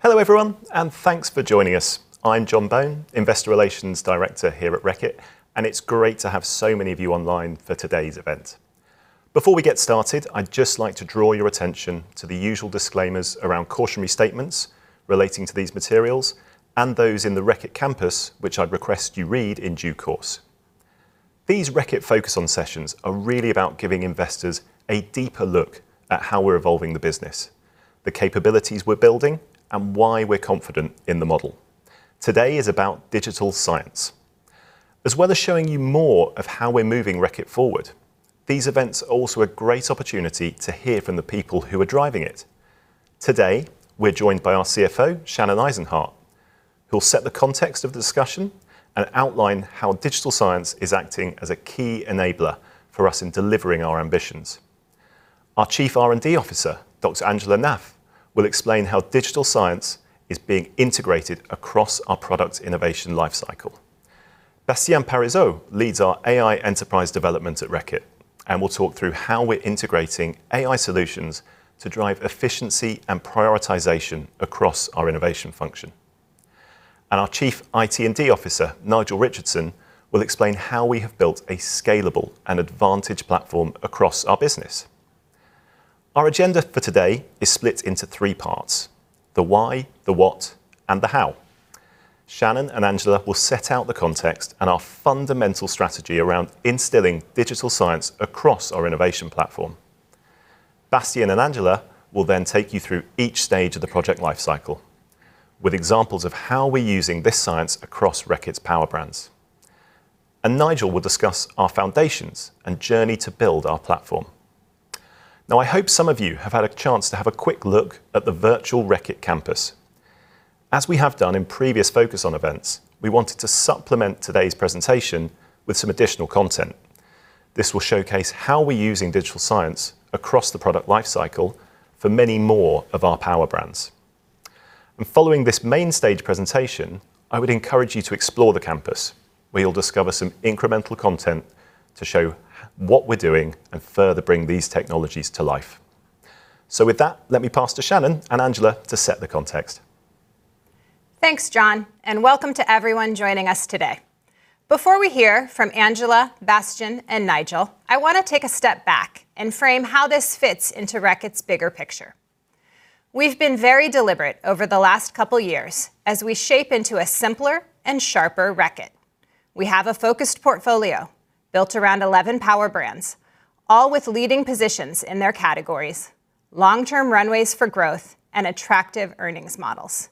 Hello, everyone, thanks for joining us. I'm Jon Bone, investor relations director here at Reckitt, and it's great to have so many of you online for today's event. Before we get started, I'd just like to draw your attention to the usual disclaimers around cautionary statements relating to these materials and those in the Reckitt campus, which I'd request you read in due course. These Reckitt Focus On sessions are really about giving investors a deeper look at how we're evolving the business, the capabilities we're building, and why we're confident in the model. Today is about digital science. As well as showing you more of how we're moving Reckitt forward, these events are also a great opportunity to hear from the people who are driving it. Today, we're joined by our CFO, Shannon Eisenhardt, who will set the context of the discussion and outline how digital science is acting as a key enabler for us in delivering our ambitions. Our Chief R&D Officer, Dr. Angela Naef, will explain how digital science is being integrated across our product innovation life cycle. Bastien Parizot leads our AI enterprise development at Reckitt, and will talk through how we're integrating AI solutions to drive efficiency and prioritization across our innovation function. Our Chief IT&D Officer, Nigel Richardson, will explain how we have built a scalable and advantage platform across our business. Our agenda for today is split into three parts: the why, the what, and the how. Shannon and Angela will set out the context and our fundamental strategy around instilling digital science across our innovation platform. Bastien and Angela will then take you through each stage of the project life cycle, with examples of how we're using this science across Reckitt's power brands. Nigel will discuss our foundations and journey to build our platform. Now, I hope some of you have had a chance to have a quick look at the virtual Reckitt campus. As we have done in previous Focus On events, we wanted to supplement today's presentation with some additional content. This will showcase how we're using digital science across the product life cycle for many more of our power brands. Following this main stage presentation, I would encourage you to explore the campus, where you'll discover some incremental content to show what we're doing and further bring these technologies to life. With that, let me pass to Shannon and Angela to set the context. Thanks, Jon. Welcome to everyone joining us today. Before we hear from Angela, Bastien, and Nigel, I wanna take a step back and frame how this fits into Reckitt's bigger picture. We've been very deliberate over the last couple years as we shape into a simpler and sharper Reckitt. We have a focused portfolio built around 11 power brands, all with leading positions in their categories, long-term runways for growth, and attractive earnings models.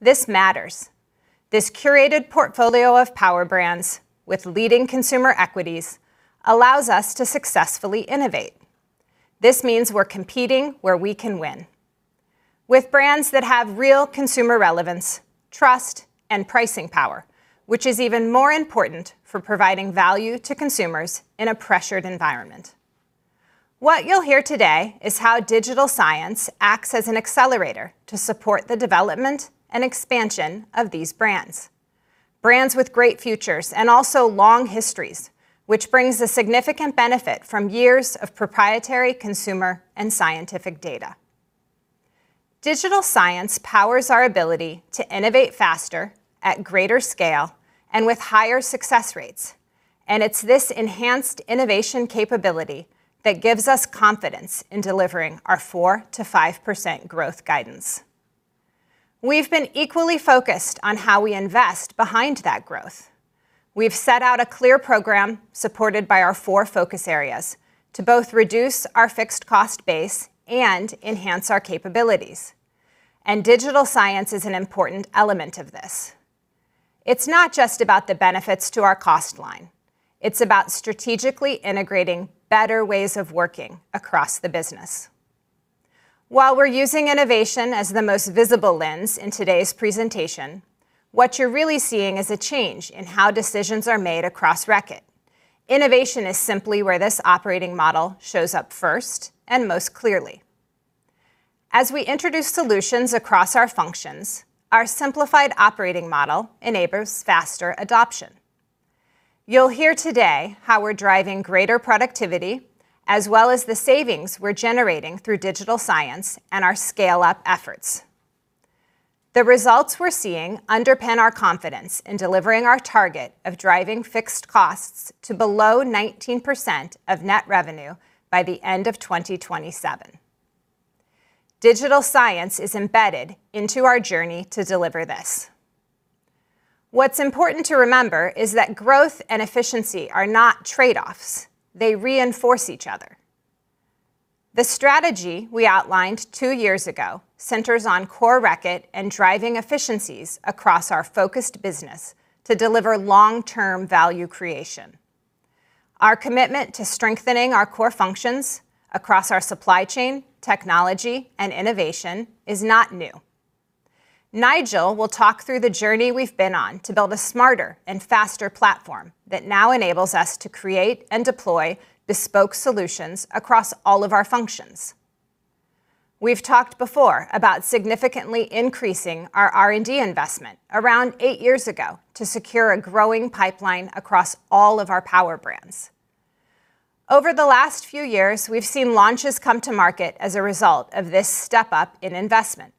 This matters. This curated portfolio of power brands with leading consumer equities allows us to successfully innovate. This means we're competing where we can win with brands that have real consumer relevance, trust, and pricing power, which is even more important for providing value to consumers in a pressured environment. What you'll hear today is how digital science acts as an accelerator to support the development and expansion of these brands with great futures and also long histories, which brings a significant benefit from years of proprietary consumer and scientific data. Digital science powers our ability to innovate faster, at greater scale, and with higher success rates. It's this enhanced innovation capability that gives us confidence in delivering our 4% to 5% growth guidance. We've been equally focused on how we invest behind that growth. We've set out a clear program supported by our four focus areas to both reduce our fixed cost base and enhance our capabilities. Digital science is an important element of this. It's not just about the benefits to our cost line. It's about strategically integrating better ways of working across the business. While we're using innovation as the most visible lens in today's presentation, what you're really seeing is a change in how decisions are made across Reckitt. Innovation is simply where this operating model shows up first and most clearly. As we introduce solutions across our functions, our simplified operating model enables faster adoption. You'll hear today how we're driving greater productivity, as well as the savings we're generating through digital science and our scale-up efforts. The results we're seeing underpin our confidence in delivering our target of driving fixed costs to below 19% of net revenue by the end of 2027. Digital science is embedded into our journey to deliver this. What's important to remember is that growth and efficiency are not trade-offs. They reinforce each other. The strategy we outlined two years ago centers on core Reckitt and driving efficiencies across our focused business to deliver long-term value creation. Our commitment to strengthening our core functions across our supply chain, technology, and innovation is not new. Nigel will talk through the journey we've been on to build a smarter and faster platform that now enables us to create and deploy bespoke solutions across all of our functions. We've talked before about significantly increasing our R&D investment around eight years ago to secure a growing pipeline across all of our power brands. Over the last few years, we've seen launches come to market as a result of this step-up in investment.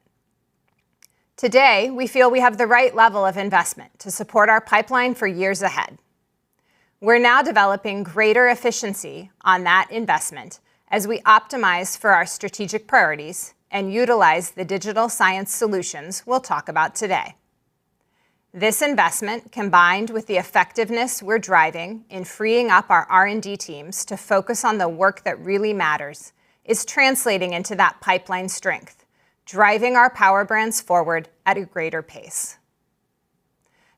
Today, we feel we have the right level of investment to support our pipeline for years ahead. We're now developing greater efficiency on that investment as we optimize for our strategic priorities and utilize the digital science solutions we'll talk about today. This investment, combined with the effectiveness we're driving in freeing up our R&D teams to focus on the work that really matters, is translating into that pipeline strength, driving our power brands forward at a greater pace.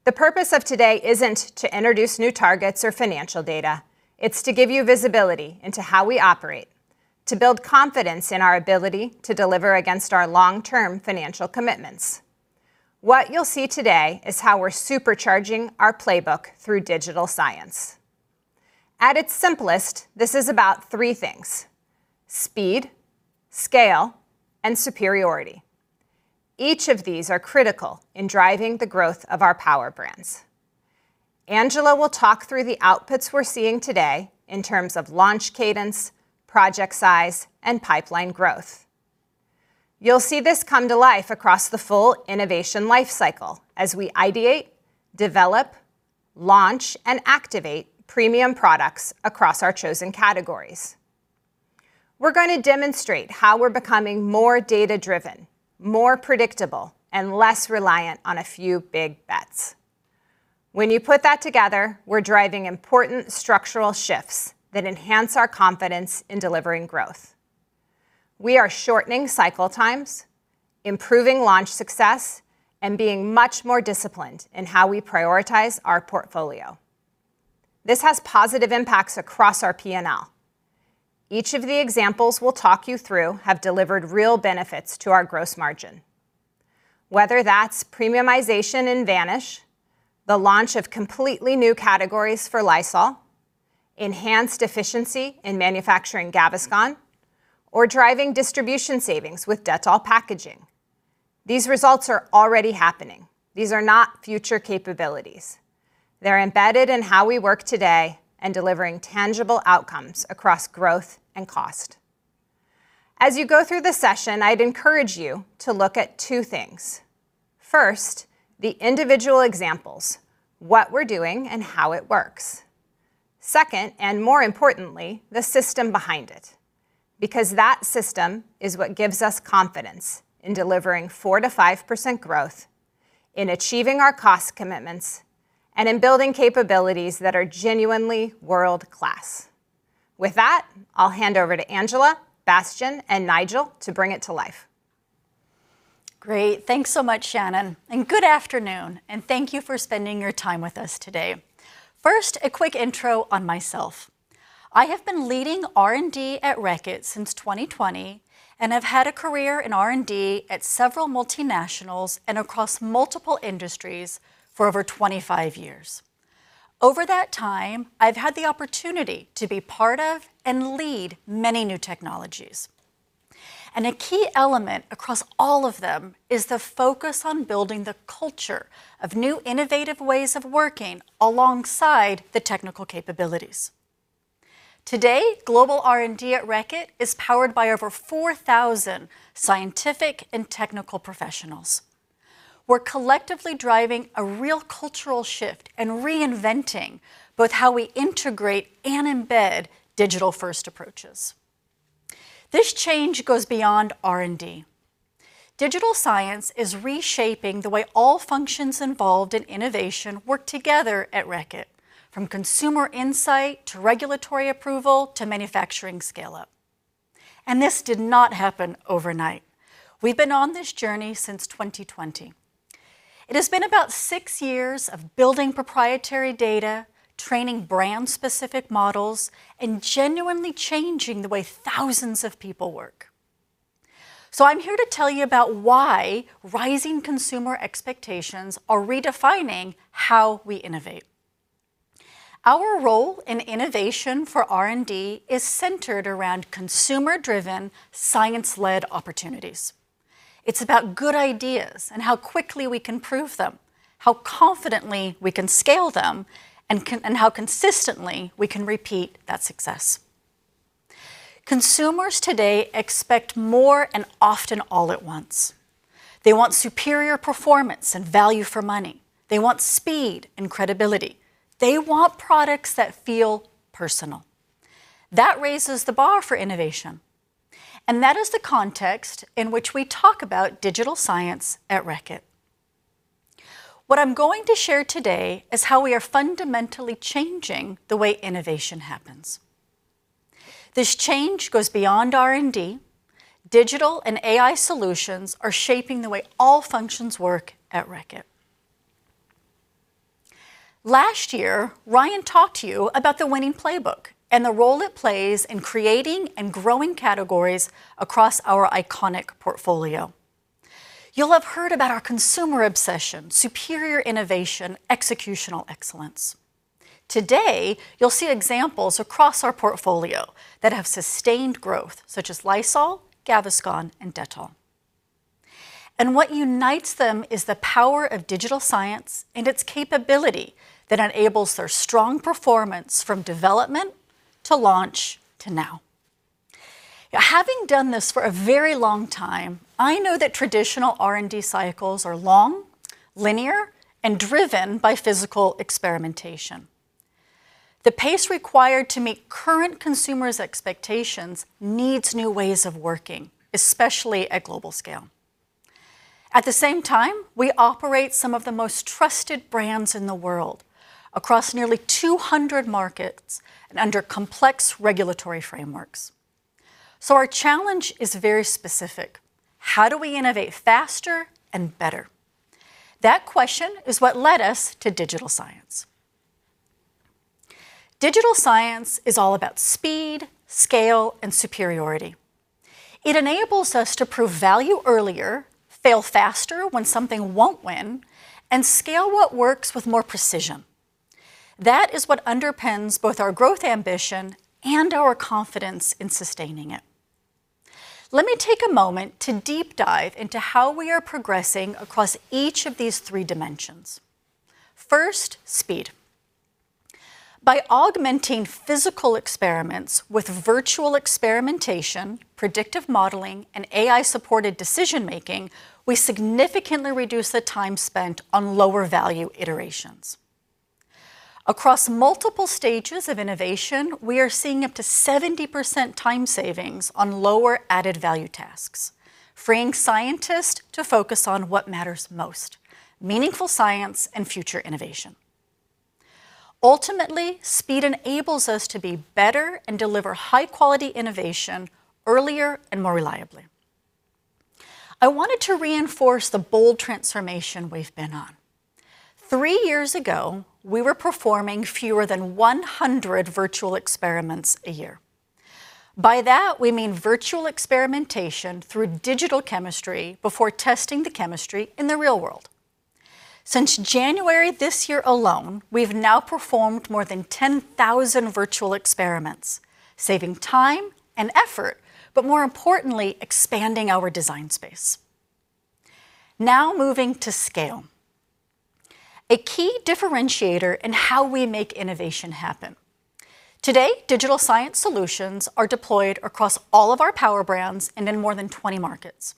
The purpose of today isn't to introduce new targets or financial data, it's to give you visibility into how we operate, to build confidence in our ability to deliver against our long-term financial commitments. What you'll see today is how we're supercharging our playbook through digital science. At its simplest, this is about three things: speed, scale, and superiority. Each of these are critical in driving the growth of our power brands. Angela will talk through the outputs we're seeing today in terms of launch cadence, project size, and pipeline growth. You'll see this come to life across the full innovation life cycle as we ideate, develop, launch, and activate premium products across our chosen categories. We're gonna demonstrate how we're becoming more data-driven, more predictable, and less reliant on a few big bets. When you put that together, we're driving important structural shifts that enhance our confidence in delivering growth. We are shortening cycle times, improving launch success, and being much more disciplined in how we prioritize our portfolio. This has positive impacts across our P&L. Each of the examples we'll talk you through have delivered real benefits to our gross margin, whether that's premiumization in Vanish, the launch of completely new categories for Lysol, enhanced efficiency in manufacturing Gaviscon, or driving distribution savings with Dettol packaging. These results are already happening. These are not future capabilities. They're embedded in how we work today and delivering tangible outcomes across growth and cost. As you go through the session, I'd encourage you to look at two things. First, the individual examples, what we're doing and how it works. Second, and more importantly, the system behind it, because that system is what gives us confidence in delivering 4%-5% growth, in achieving our cost commitments, and in building capabilities that are genuinely world-class. With that, I'll hand over to Angela, Bastien, and Nigel to bring it to life. Great. Thanks so much, Shannon. Good afternoon, and thank you for spending your time with us today. First, a quick intro on myself. I have been leading R&D at Reckitt since 2020 and have had a career in R&D at several multinationals and across multiple industries for over 25 years. Over that time, I've had the opportunity to be part of and lead many new technologies. A key element across all of them is the focus on building the culture of new, innovative ways of working alongside the technical capabilities. Today, global R&D at Reckitt is powered by over 4,000 scientific and technical professionals. We're collectively driving a real cultural shift and reinventing both how we integrate and embed digital-first approaches. This change goes beyond R&D. Digital science is reshaping the way all functions involved in innovation work together at Reckitt, from consumer insight to regulatory approval to manufacturing scale-up, and this did not happen overnight. We've been on this journey since 2020. It has been about six years of building proprietary data, training brand-specific models, and genuinely changing the way thousands of people work. I'm here to tell you about why rising consumer expectations are redefining how we innovate. Our role in innovation for R&D is centered around consumer-driven, science-led opportunities. It's about good ideas and how quickly we can prove them, how confidently we can scale them, and how consistently we can repeat that success. Consumers today expect more and often all at once. They want superior performance and value for money. They want speed and credibility. They want products that feel personal. That raises the bar for innovation. That is the context in which we talk about digital science at Reckitt. What I'm going to share today is how we are fundamentally changing the way innovation happens. This change goes beyond R&D. Digital and AI solutions are shaping the way all functions work at Reckitt. Last year, Ryan talked to you about the winning playbook and the role it plays in creating and growing categories across our iconic portfolio. You'll have heard about our consumer obsession, superior innovation, executional excellence. Today, you'll see examples across our portfolio that have sustained growth, such as Lysol, Gaviscon, and Dettol. What unites them is the power of digital science and its capability that enables their strong performance from development to launch to now. Having done this for a very long time, I know that traditional R&D cycles are long, linear, and driven by physical experimentation. The pace required to meet current consumers' expectations needs new ways of working, especially at global scale. At the same time, we operate some of the most trusted brands in the world across nearly 200 markets and under complex regulatory frameworks. Our challenge is very specific. How do we innovate faster and better? That question is what led us to digital science. Digital science is all about speed, scale, and superiority. It enables us to prove value earlier, fail faster when something won't win, and scale what works with more precision. That is what underpins both our growth ambition and our confidence in sustaining it. Let me take a moment to deep dive into how we are progressing across each of these three dimensions. First, speed. By augmenting physical experiments with virtual experimentation, predictive modeling, and AI-supported decision-making, we significantly reduce the time spent on lower value iterations. Across multiple stages of innovation, we are seeing up to 70% time savings on lower added value tasks, freeing scientists to focus on what matters most, meaningful science and future innovation. Ultimately, speed enables us to be better and deliver high quality innovation earlier and more reliably. I wanted to reinforce the bold transformation we've been on. Three years ago, we were performing fewer than 100 virtual experiments a year. By that, we mean virtual experimentation through digital chemistry before testing the chemistry in the real world. Since January this year alone, we've now performed more than 10,000 virtual experiments, saving time and effort, but more importantly, expanding our design space. Now moving to scale, a key differentiator in how we make innovation happen. Today, digital science solutions are deployed across all of our power brands and in more than 20 markets.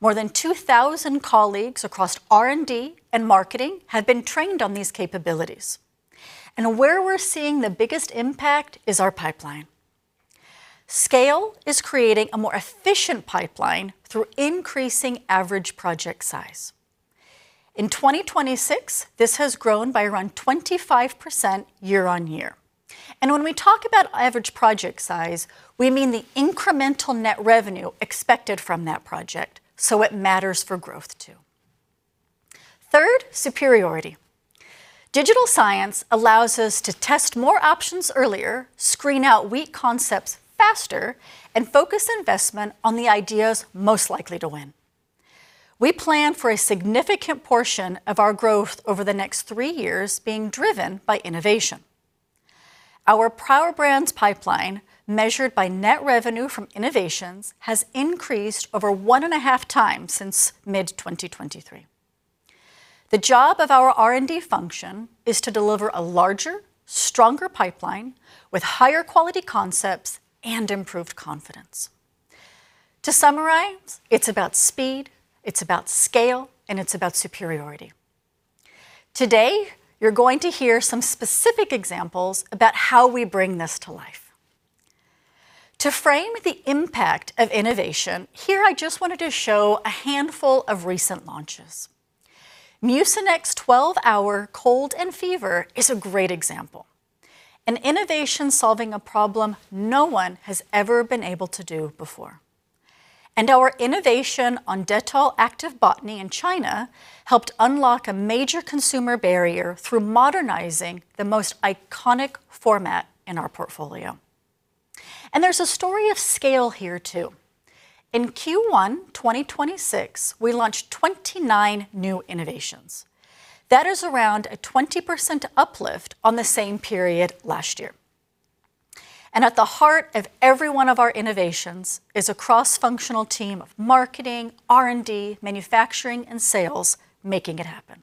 More than 2,000 colleagues across R&D and marketing have been trained on these capabilities. Where we're seeing the biggest impact is our pipeline. Scale is creating a more efficient pipeline through increasing average project size. In 2026, this has grown by around 25% year-on-year. When we talk about average project size, we mean the incremental net revenue expected from that project. It matters for growth too. Third, superiority. Digital science allows us to test more options earlier, screen out weak concepts faster, and focus investment on the ideas most likely to win. We plan for a significant portion of our growth over the next three years being driven by innovation. Our power brands pipeline, measured by net revenue from innovations, has increased over one and a half times since mid-2023. The job of our R&D function is to deliver a larger, stronger pipeline with higher quality concepts and improved confidence. To summarize, it's about speed, it's about scale, and it's about superiority. Today, you're going to hear some specific examples about how we bring this to life. To frame the impact of innovation, here I just wanted to show a handful of recent launches. Mucinex 12-Hour Cold and Flu is a great example, an innovation solving a problem no one has ever been able to do before. Our innovation on Dettol Activ Botany in China helped unlock a major consumer barrier through modernizing the most iconic format in our portfolio. There's a story of scale here too. In Q1 2026, we launched 29 new innovations. That is around a 20% uplift on the same period last year. At the heart of every one of our innovations is a cross-functional team of marketing, R&D, manufacturing, and sales making it happen.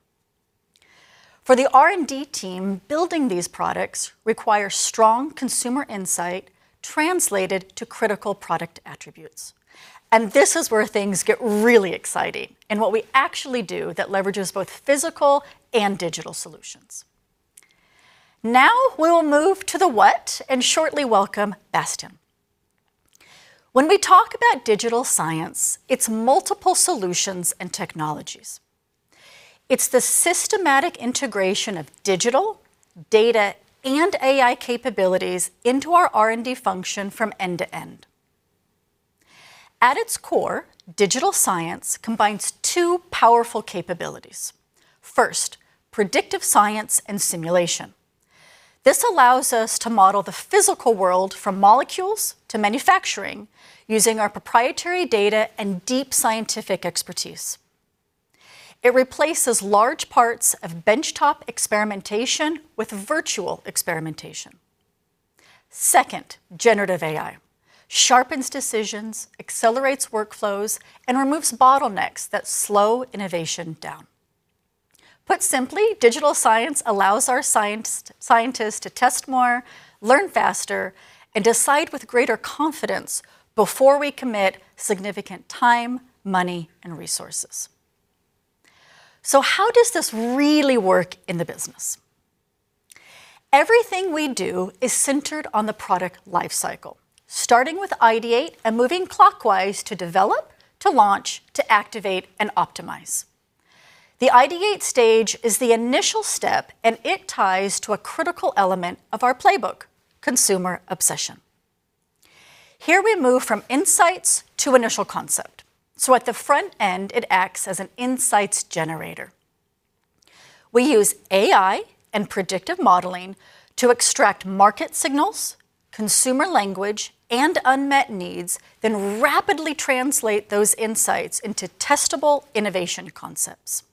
For the R&D team, building these products requires strong consumer insight translated to critical product attributes. This is where things get really exciting and what we actually do that leverages both physical and digital solutions. Now we will move to the what and shortly welcome Bastien. When we talk about digital science, it is multiple solutions and technologies. It is the systematic integration of digital, data, and AI capabilities into our R&D function from end to end. At its core, digital science combines two powerful capabilities. First, predictive science and simulation. This allows us to model the physical world from molecules to manufacturing using our proprietary data and deep scientific expertise. It replaces large parts of benchtop experimentation with virtual experimentation. Second, generative AI sharpens decisions, accelerates workflows, and removes bottlenecks that slow innovation down. Put simply, digital science allows our scientists to test more, learn faster, and decide with greater confidence before we commit significant time, money, and resources. How does this really work in the business? Everything we do is centered on the product life cycle, starting with ideate and moving clockwise to develop, to launch, to activate, and optimize. The ideate stage is the initial step, and it ties to a critical element of our playbook: consumer obsession. Here we move from insights to initial concept. At the front end, it acts as an insights generator. We use AI and predictive modeling to extract market signals, consumer language, and unmet needs, then rapidly translate those insights into testable innovation concepts.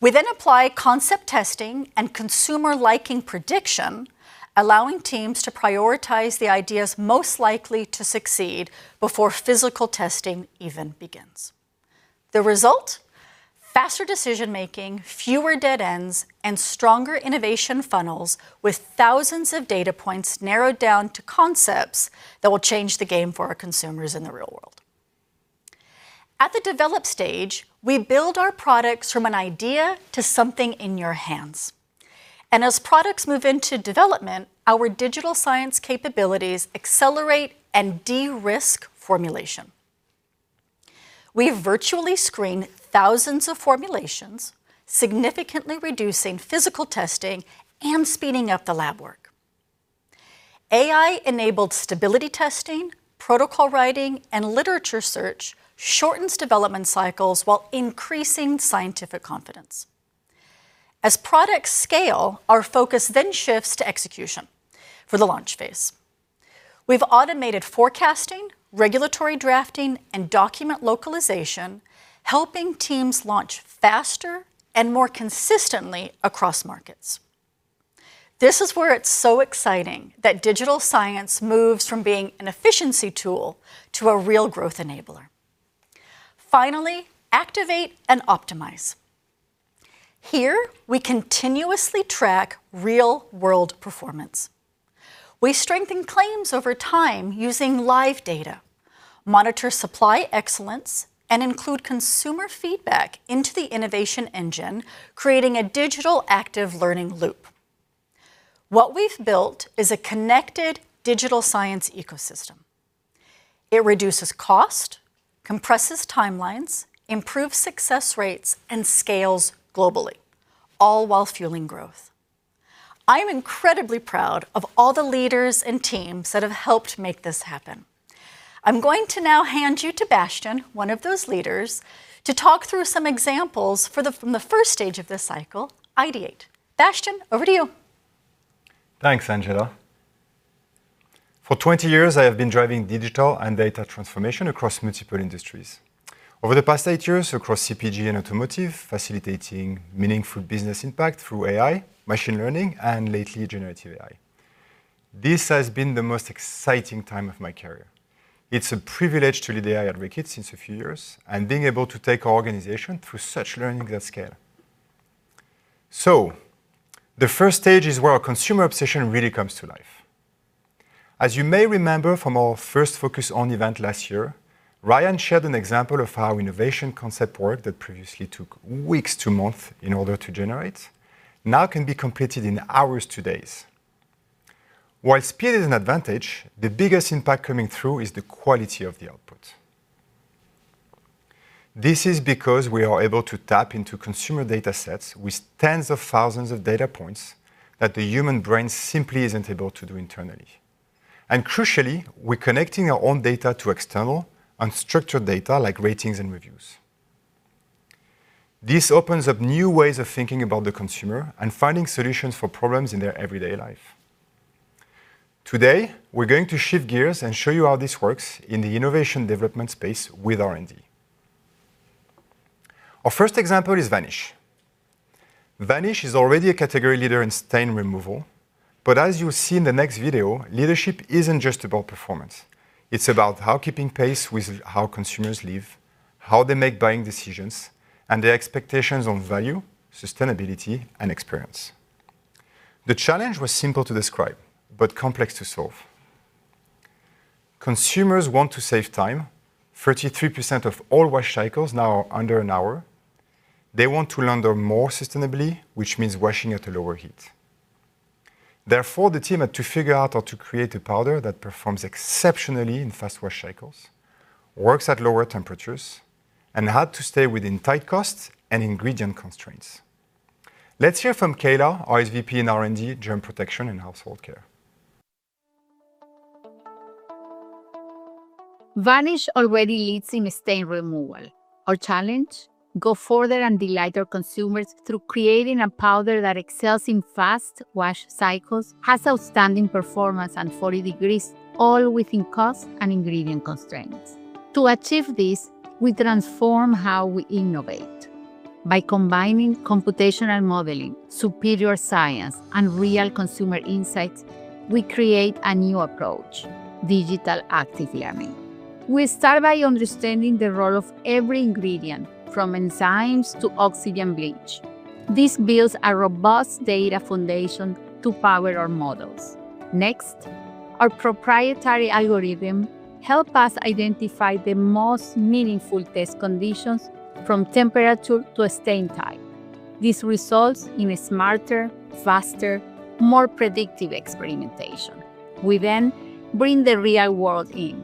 We apply concept testing and consumer liking prediction, allowing teams to prioritize the ideas most likely to succeed before physical testing even begins. The result? Faster decision-making, fewer dead ends, and stronger innovation funnels with thousands of data points narrowed down to concepts that will change the game for our consumers in the real world. At the develop stage, we build our products from an idea to something in your hands. As products move into development, our digital science capabilities accelerate and de-risk formulation. We virtually screen thousands of formulations, significantly reducing physical testing and speeding up the lab work. AI-enabled stability testing, protocol writing, and literature search shortens development cycles while increasing scientific confidence. As products scale, our focus then shifts to execution for the launch phase. We've automated forecasting, regulatory drafting, and document localization, helping teams launch faster and more consistently across markets. This is where it's so exciting that digital science moves from being an efficiency tool to a real growth enabler. Finally, activate and optimize. Here, we continuously track real-world performance. We strengthen claims over time using live data, monitor supply excellence, and include consumer feedback into the innovation engine, creating a digital active learning loop. What we've built is a connected digital science ecosystem. It reduces cost, compresses timelines, improves success rates, and scales globally, all while fueling growth. I'm incredibly proud of all the leaders and teams that have helped make this happen. I'm going to now hand you to Bastien, one of those leaders, to talk through some examples from the stage 1 of this cycle, ideate. Bastien, over to you. Thanks, Angela. For 20 years, I have been driving digital and data transformation across multiple industries. Over the past eight years across CPG and automotive, facilitating meaningful business impact through AI, machine learning, and lately generative AI. This has been the most exciting time of my career. It's a privilege to lead AI advocates since a few years, and being able to take our organization through such learning at scale. The first stage is where our consumer obsession really comes to life. As you may remember from our first Focus On event last year, Ryan shared an example of how innovation concept work that previously took weeks to month in order to generate now can be completed in hours to days. While speed is an advantage, the biggest impact coming through is the quality of the output. This is because we are able to tap into consumer data sets with tens of thousands of data points that the human brain simply isn't able to do internally. Crucially, we're connecting our own data to external unstructured data like ratings and reviews. This opens up new ways of thinking about the consumer and finding solutions for problems in their everyday life. Today, we're going to shift gears and show you how this works in the innovation development space with R&D. Our first example is Vanish. Vanish is already a category leader in stain removal, but as you'll see in the next video, leadership isn't just about performance. It's about how keeping pace with how consumers live, how they make buying decisions, and their expectations on value, sustainability, and experience. The challenge was simple to describe but complex to solve. Consumers want to save time. 33% of all wash cycles now are under 1 hour. They want to launder more sustainably, which means washing at a lower heat. Therefore, the team had to figure out how to create a powder that performs exceptionally in fast wash cycles, works at lower temperatures, and had to stay within tight costs and ingredient constraints. Let's hear from Keyla, our SVP in R&D, germ protection, and household care. Vanish already leads in stain removal. Our challenge? Go further and delight our consumers through creating a powder that excels in fast wash cycles, has outstanding performance at 40 degrees, all within cost and ingredient constraints. To achieve this, we transform how we innovate. By combining computational modeling, superior science, and real consumer insights, we create a new approach, digital active learning. We start by understanding the role of every ingredient, from enzymes to oxygen bleach. This builds a robust data foundation to power our models. Next, our proprietary algorithm help us identify the most meaningful test conditions from temperature to a stain type. This results in a smarter, faster, more predictive experimentation. We then bring the real world in.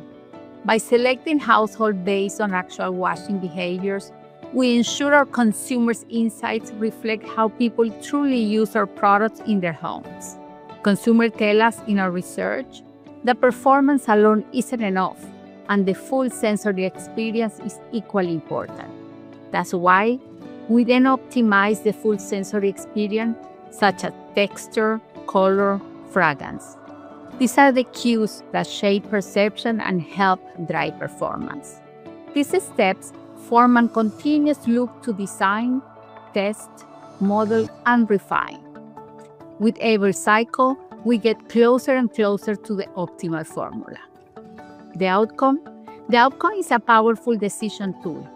By selecting household based on actual washing behaviors, we ensure our consumer's insights reflect how people truly use our products in their homes. Consumer tell us in our research that performance alone isn't enough. The full sensory experience is equally important. That's why we then optimize the full sensory experience, such as texture, color, fragrance. These are the cues that shape perception and help drive performance. These steps form a continuous loop to design, test, model, and refine. With every cycle, we get closer and closer to the optimal formula. The outcome? The outcome is a powerful decision tool.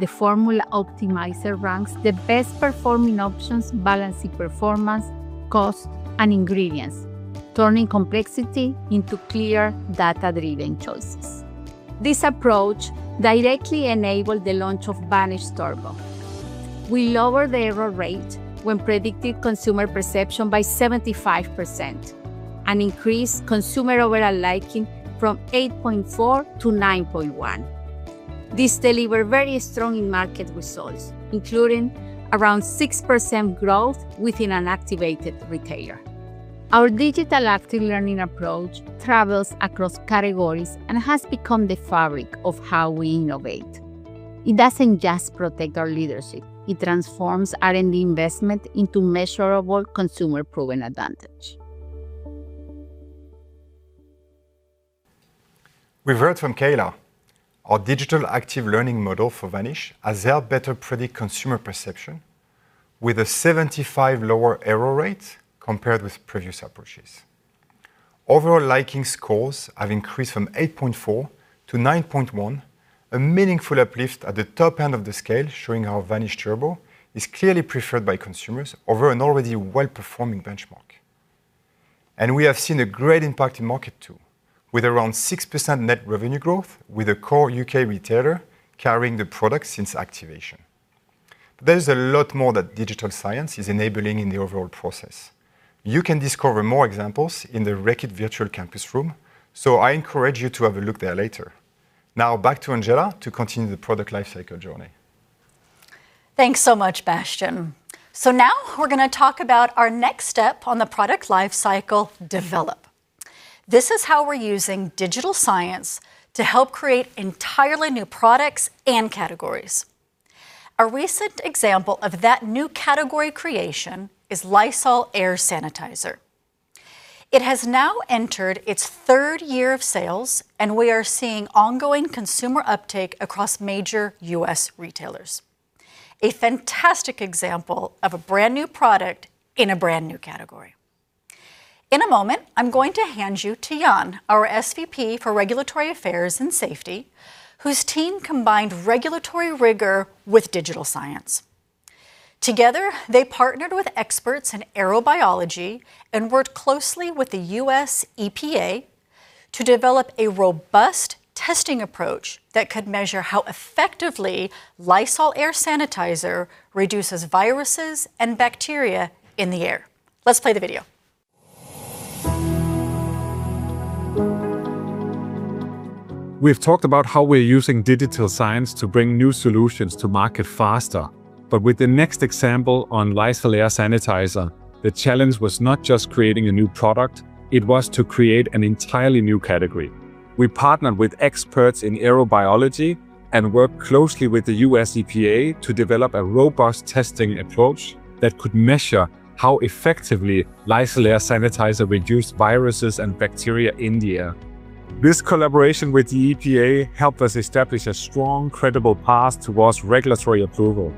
The formula optimizer ranks the best performing options, balancing performance, cost, and ingredients, turning complexity into clear data-driven choices. This approach directly enabled the launch of Vanish Turbo. We lower the error rate when predicted consumer perception by 75%, an increased consumer overall liking from 8.4 to 9.1. This deliver very strong in-market results, including around 6% growth within an activated retailer. Our digital active learning approach travels across categories and has become the fabric of how we innovate. It doesn't just protect our leadership. It transforms R&D investment into measurable consumer-proven advantage. We've heard from Keyla. Our digital active learning model for Vanish has helped better predict consumer perception with a 75 lower error rate compared with previous approaches. Overall liking scores have increased from 8.4 to 9.1, a meaningful uplift at the top end of the scale, showing how Vanish Turbo is clearly preferred by consumers over an already well-performing benchmark. We have seen a great impact in market too, with around 6% net revenue growth with a core U.K. retailer carrying the product since activation. There's a lot more that digital science is enabling in the overall process. You can discover more examples in the Reckitt Virtual Campus room. I encourage you to have a look there later. Back to Angela to continue the product lifecycle journey. Thanks so much, Bastien. Now we're gonna talk about our next step on the product lifecycle, develop. This is how we're using digital science to help create entirely new products and categories. A recent example of that new category creation is Lysol Air Sanitizer. It has now entered its third year of sales, and we are seeing ongoing consumer uptake across major U.S. retailers, a fantastic example of a brand-new product in a brand-new category. In a moment, I'm going to hand you to Jan, our SVP for Regulatory Affairs and Safety, whose team combined regulatory rigor with digital science. Together, they partnered with experts in aerobiology and worked closely with the U.S. EPA to develop a robust testing approach that could measure how effectively Lysol Air Sanitizer reduces viruses and bacteria in the air. Let's play the video. We've talked about how we're using digital science to bring new solutions to market faster, but with the next example on Lysol Air Sanitizer, the challenge was not just creating a new product, it was to create an entirely new category. We partnered with experts in aerobiology and worked closely with the U.S. EPA to develop a robust testing approach that could measure how effectively Lysol Air Sanitizer reduced viruses and bacteria in the air. This collaboration with the EPA helped us establish a strong, credible path towards regulatory approval.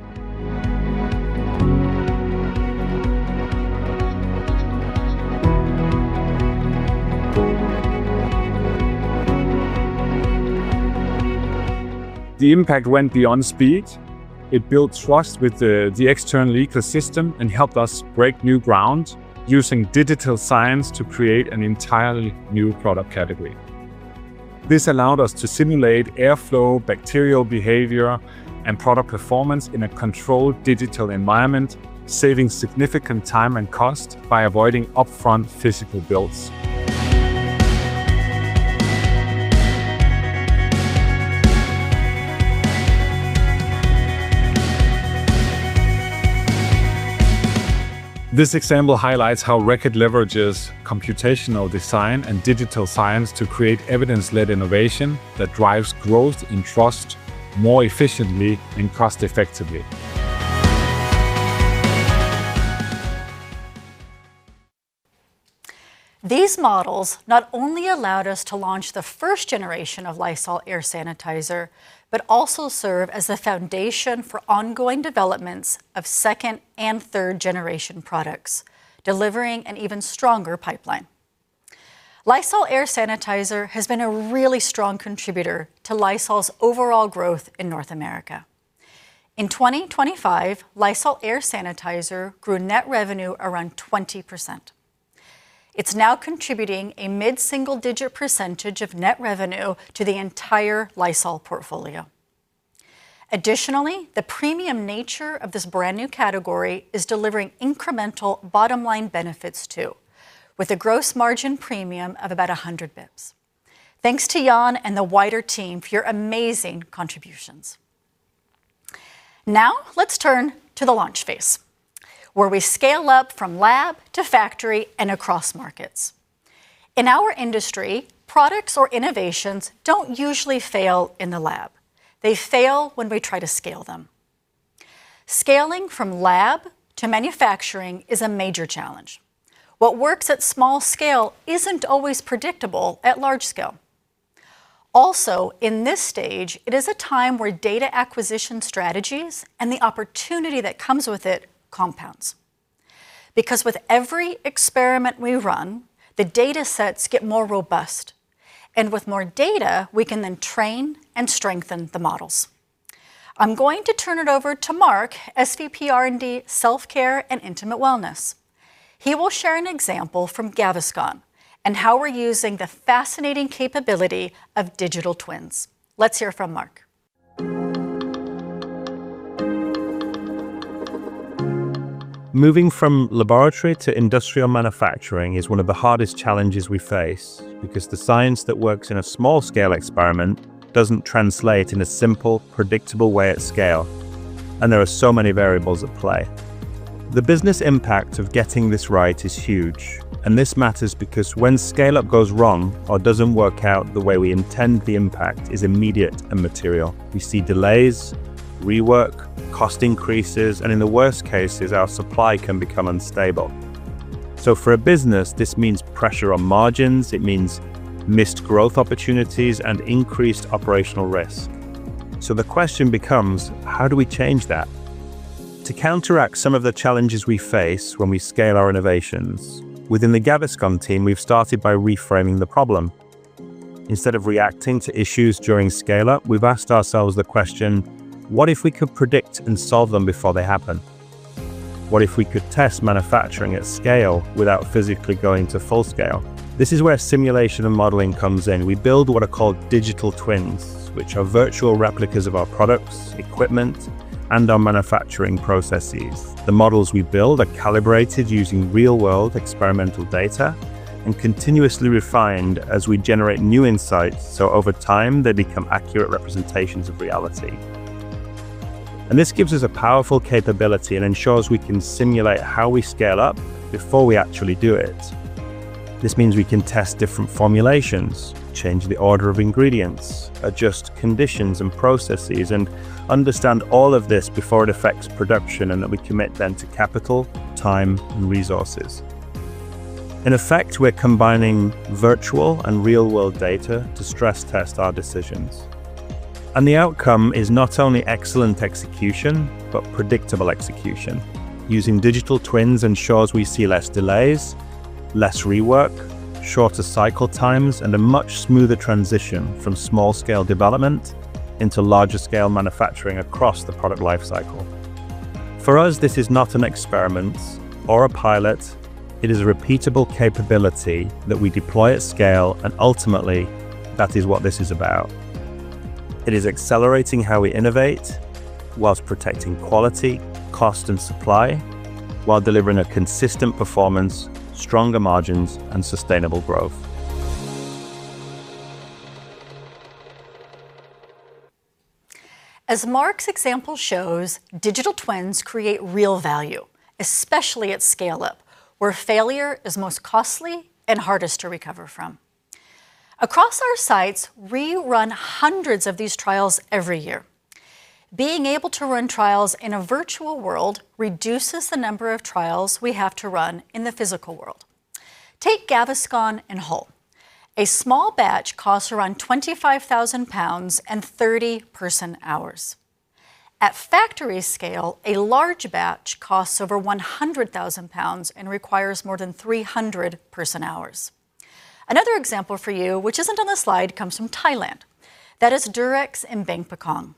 The impact went beyond speed. It built trust with the external ecosystem and helped us break new ground using digital science to create an entirely new product category. This allowed us to simulate airflow, bacterial behavior, and product performance in a controlled digital environment, saving significant time and cost by avoiding upfront physical builds. This example highlights how Reckitt leverages computational design and digital science to create evidence-led innovation that drives growth and trust more efficiently and cost effectively. These models not only allowed us to launch the first generation of Lysol Air Sanitizer, but also serve as the foundation for ongoing developments of second and third generation products, delivering an even stronger pipeline. Lysol Air Sanitizer has been a really strong contributor to Lysol's overall growth in North America. In 2025, Lysol Air Sanitizer grew net revenue around 20%. It's now contributing a mid-single digit percentage of net revenue to the entire Lysol portfolio. Additionally, the premium nature of this brand-new category is delivering incremental bottom line benefits too, with a gross margin premium of about 100 basis points. Thanks to Jan and the wider team for your amazing contributions. Let's turn to the launch phase, where we scale up from lab to factory and across markets. In our industry, products or innovations don't usually fail in the lab. They fail when we try to scale them. Scaling from lab to manufacturing is a major challenge. What works at small scale isn't always predictable at large scale. In this stage, it is a time where data acquisition strategies and the opportunity that comes with it compounds. With every experiment we run, the data sets get more robust, and with more data, we can then train and strengthen the models. I'm going to turn it over to Mark, SVP R&D, Self Care and Intimate Wellness. He will share an example from Gaviscon and how we're using the fascinating capability of digital twins. Let's hear from Mark.. Moving from laboratory to industrial manufacturing is 1 of the hardest challenges we face because the science that works in a small scale experiment doesn't translate in a simple, predictable way at scale, and there are so many variables at play. The business impact of getting this right is huge, and this matters because when scale-up goes wrong or doesn't work out the way we intend, the impact is immediate and material. We see delays, rework, cost increases, and in the worst cases, our supply can become unstable. For a business, this means pressure on margins, it means missed growth opportunities, and increased operational risk. The question becomes, how do we change that? To counteract some of the challenges we face when we scale our innovations, within the Gaviscon team, we've started by reframing the problem. Instead of reacting to issues during scale-up, we've asked ourselves the question, "What if we could predict and solve them before they happen? What if we could test manufacturing at scale without physically going to full scale?" This is where simulation and modeling comes in. We build what are called digital twins, which are virtual replicas of our products, equipment, and our manufacturing processes. The models we build are calibrated using real world experimental data and continuously refined as we generate new insights. Over time, they become accurate representations of reality. This gives us a powerful capability and ensures we can simulate how we scale up before we actually do it. This means we can test different formulations, change the order of ingredients, adjust conditions and processes, and understand all of this before it affects production, and that we commit then to capital, time, and resources. In effect, we're combining virtual and real world data to stress test our decisions. The outcome is not only excellent execution, but predictable execution. Using digital twins ensures we see less delays, less rework, shorter cycle times, and a much smoother transition from small scale development into larger scale manufacturing across the product life cycle. For us, this is not an experiment or a pilot. It is a repeatable capability that we deploy at scale, ultimately, that is what this is about. It is accelerating how we innovate while protecting quality, cost, and supply, while delivering a consistent performance, stronger margins, and sustainable growth. As Mark's example shows, digital twins create real value, especially at scale-up, where failure is most costly and hardest to recover from. Across our sites, we run hundreds of these trials every year. Being able to run trials in a virtual world reduces the number of trials we have to run in the physical world. Take Gaviscon in Hull. A small batch costs around 25,000 pounds and 30 person hours. At factory scale, a large batch costs over 100,000 pounds and requires more than 300 person hours. Another example for you, which isn't on the slide, comes from Thailand. That is Durex in Bangpakong.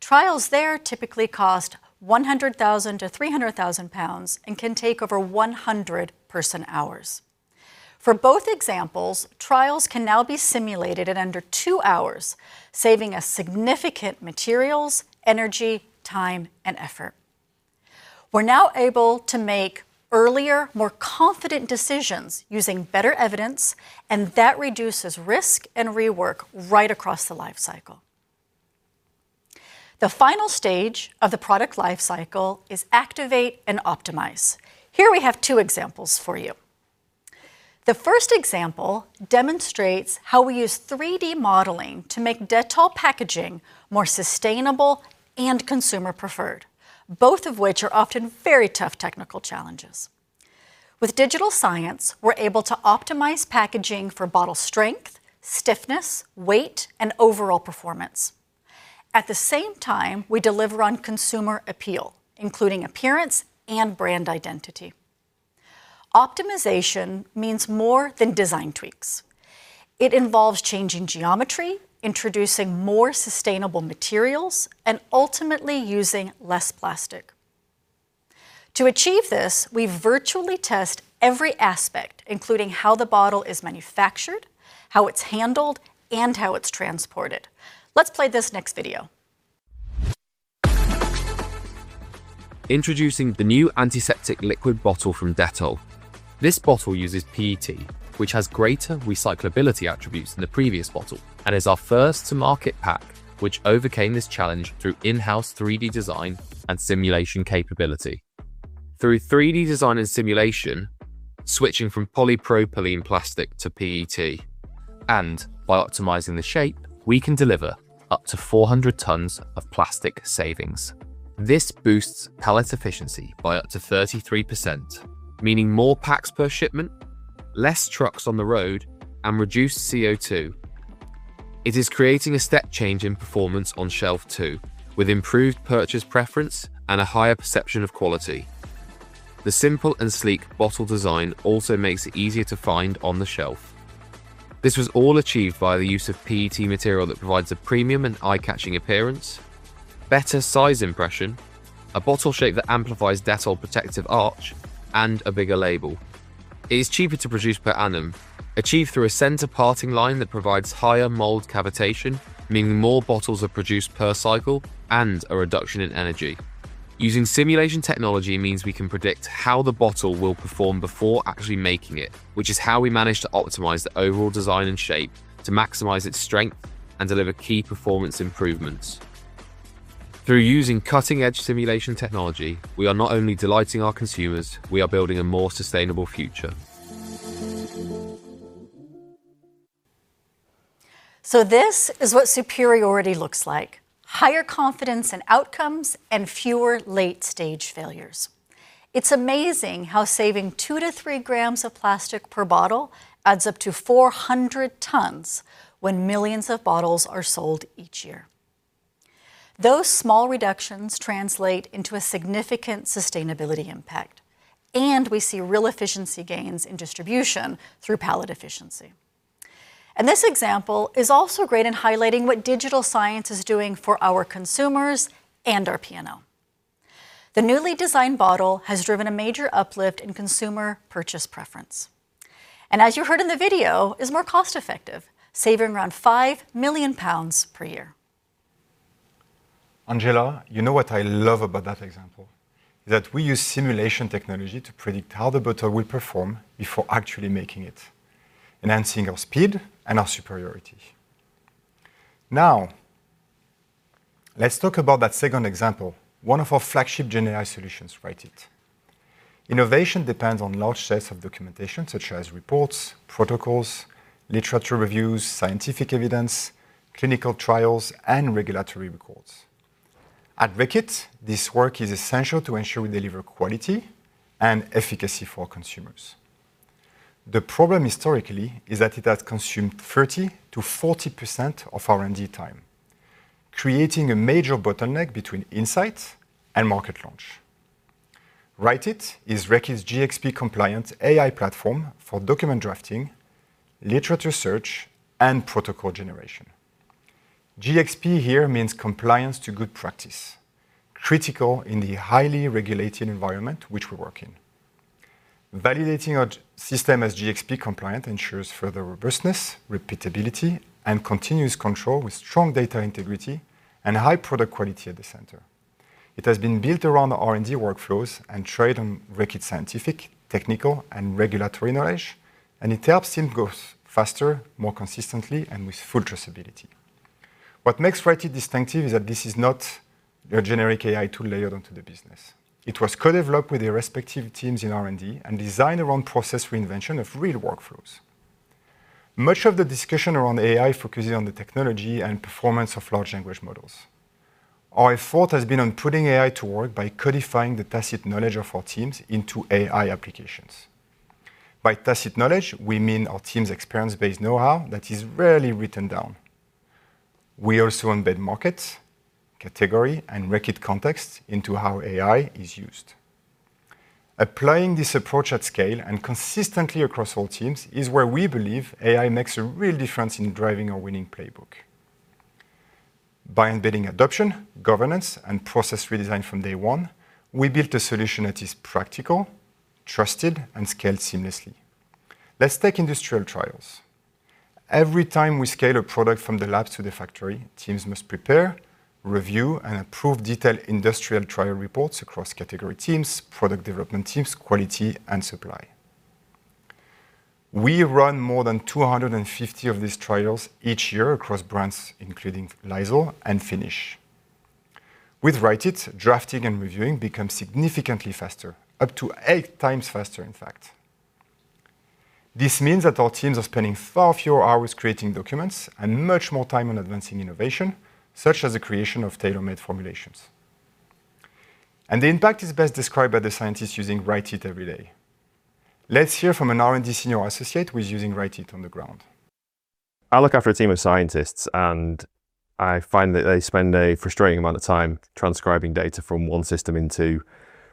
Trials there typically cost 100,000-300,000 pounds and can take over 100 person hours. For both examples, trials can now be simulated in under two hours, saving a significant materials, energy, time, and effort. We're now able to make earlier, more confident decisions using better evidence, and that reduces risk and rework right across the life cycle. The final stage of the product life cycle is activate and optimize. Here we have two examples for you. The first example demonstrates how we use 3D modeling to make Dettol packaging more sustainable and consumer preferred, both of which are often very tough technical challenges. With digital science, we're able to optimize packaging for bottle strength, stiffness, weight, and overall performance. At the same time, we deliver on consumer appeal, including appearance and brand identity. Optimization means more than design tweaks. It involves changing geometry, introducing more sustainable materials, and ultimately using less plastic. To achieve this, we virtually test every aspect, including how the bottle is manufactured, how it's handled, and how it's transported. Let's play this next video. Introducing the new antiseptic liquid bottle from Dettol. This bottle uses PET, which has greater recyclability attributes than the previous bottle and is our first to market pack, which overcame this challenge through in-house 3D design and simulation capability. Through 3D design and simulation, switching from polypropylene plastic to PET, and by optimizing the shape, we can deliver up to 400 tons of plastic savings. This boosts pallet efficiency by up to 33%, meaning more packs per shipment, less trucks on the road, and reduced CO2. It is creating a step change in performance on shelf too, with improved purchase preference and a higher perception of quality. The simple and sleek bottle design also makes it easier to find on the shelf. This was all achieved by the use of PET material that provides a premium and eye-catching appearance, better size impression, a bottle shape that amplifies Dettol protective arch, and a bigger label. It is cheaper to produce per annum, achieved through a center parting line that provides higher mold cavitation, meaning more bottles are produced per cycle and a reduction in energy. Using simulation technology means we can predict how the bottle will perform before actually making it, which is how we managed to optimize the overall design and shape to maximize its strength and deliver key performance improvements. Through using cutting-edge simulation technology, we are not only delighting our consumers, we are building a more sustainable future. This is what superiority looks like, higher confidence in outcomes and fewer late-stage failures. It's amazing how saving 2 to 3g of plastic per bottle adds up to 400 tons when millions of bottles are sold each year. Those small reductions translate into a significant sustainability impact, and we see real efficiency gains in distribution through pallet efficiency. This example is also great in highlighting what digital science is doing for our consumers and our P&L. The newly designed bottle has driven a major uplift in consumer purchase preference, and as you heard in the video, is more cost-effective, saving around 5 million pounds per year. Angela, you know what I love about that example? That we use simulation technology to predict how the bottle will perform before actually making it, enhancing our speed and our superiority. Now, let's talk about that second example, one of our flagship GenAI solutions, WriteIt. Innovation depends on large sets of documentation such as reports, protocols, literature reviews, scientific evidence, clinical trials, and regulatory records. At Reckitt, this work is essential to ensure we deliver quality and efficacy for consumers. The problem historically is that it has consumed 30%-40% of R&D time, creating a major bottleneck between insight and market launch. WriteIt is Reckitt's GxP compliant AI platform for document drafting, literature search, and protocol generation. GxP here means compliance to good practice, critical in the highly regulated environment which we work in. Validating our system as GxP compliant ensures further robustness, repeatability, and continuous control with strong data integrity and high product quality at the center. It has been built around R&D workflows and trade on Reckitt scientific, technical, and regulatory knowledge. It helps teams grow faster, more consistently, and with full traceability. What makes WriteIt distinctive is that this is not your generic AI tool layered onto the business. It was co-developed with the respective teams in R&D and designed around process reinvention of real workflows. Much of the discussion around AI focuses on the technology and performance of large language models. Our effort has been on putting AI to work by codifying the tacit knowledge of our teams into AI applications. By tacit knowledge, we mean our team's experience-based know-how that is rarely written down. We also embed market, category, and Reckitt context into how AI is used. Applying this approach at scale and consistently across all teams is where we believe AI makes a real difference in driving our winning playbook. By embedding adoption, governance, and process redesign from day one, we built a solution that is practical, trusted, and scaled seamlessly. Let's take industrial trials. Every time we scale a product from the lab to the factory, teams must prepare, review, and approve detailed industrial trial reports across category teams, product development teams, quality, and supply. We run more than 250 of these trials each year across brands, including Lysol and Finish. With WriteIt, drafting and reviewing become significantly faster, up to 8 times faster, in fact. This means that our teams are spending far fewer hours creating documents and much more time on advancing innovation, such as the creation of tailor-made formulations. The impact is best described by the scientists using WriteIt every day. Let's hear from an R&D senior associate who is using WriteIt on the ground. I look after a team of scientists, and I find that they spend a frustrating amount of time transcribing data from one system into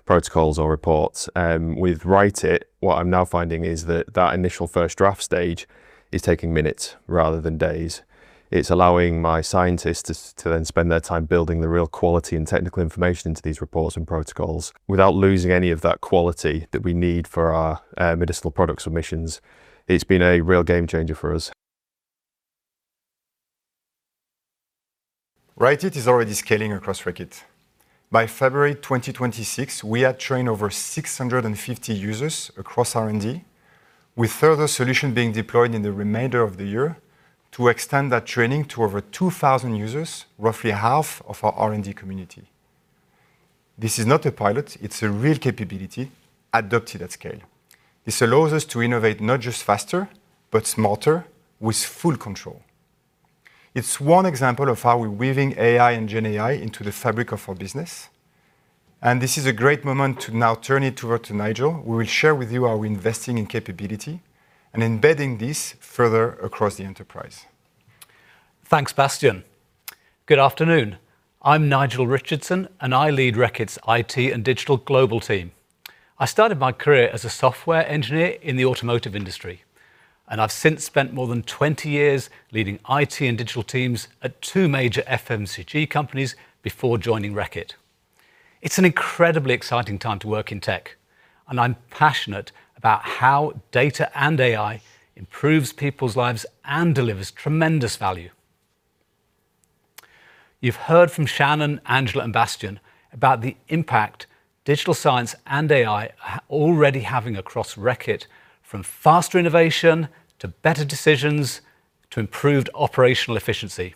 protocols or reports. With WriteIt, what I'm now finding is that that initial first draft stage is taking minutes rather than days. It's allowing my scientists to then spend their time building the real quality and technical information into these reports and protocols without losing any of that quality that we need for our medicinal product submissions. It's been a real game changer for us. WriteIt is already scaling across Reckitt. By February 2026, we had trained over 650 users across R&D, with further solution being deployed in the remainder of the year to extend that training to over 2,000 users, roughly half of our R&D community. This is not a pilot, it's a real capability adopted at scale. This allows us to innovate not just faster, but smarter with full control. It's one example of how we're weaving AI and GenAI into the fabric of our business. This is a great moment to now turn it over to Nigel, who will share with you how we're investing in capability and embedding this further across the enterprise. Thanks, Bastien. Good afternoon. I'm Nigel Richardson, and I lead Reckitt's IT and digital global team. I started my career as a software engineer in the automotive industry, and I've since spent more than 20 years leading IT and digital teams at two major FMCG companies before joining Reckitt. It's an incredibly exciting time to work in tech, and I'm passionate about how data and AI improves people's lives and delivers tremendous value. You've heard from Shannon, Angela, and Bastien about the impact digital science and AI are already having across Reckitt, from faster innovation to better decisions to improved operational efficiency.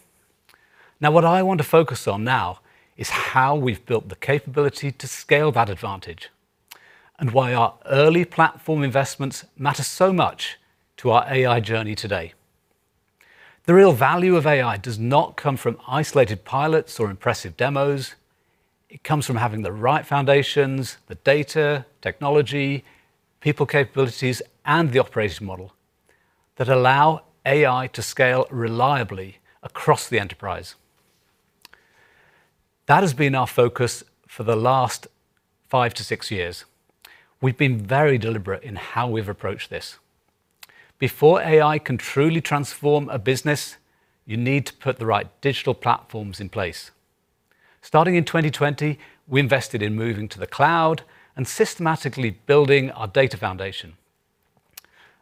Now, what I want to focus on now is how we've built the capability to scale that advantage and why our early platform investments matter so much to our AI journey today. The real value of AI does not come from isolated pilots or impressive demos. It comes from having the right foundations, the data, technology, people capabilities, and the operation model that allow AI to scale reliably across the enterprise. That has been our focus for the last five to six years. We've been very deliberate in how we've approached this. Before AI can truly transform a business, you need to put the right digital platforms in place. Starting in 2020, we invested in moving to the cloud and systematically building our data foundation.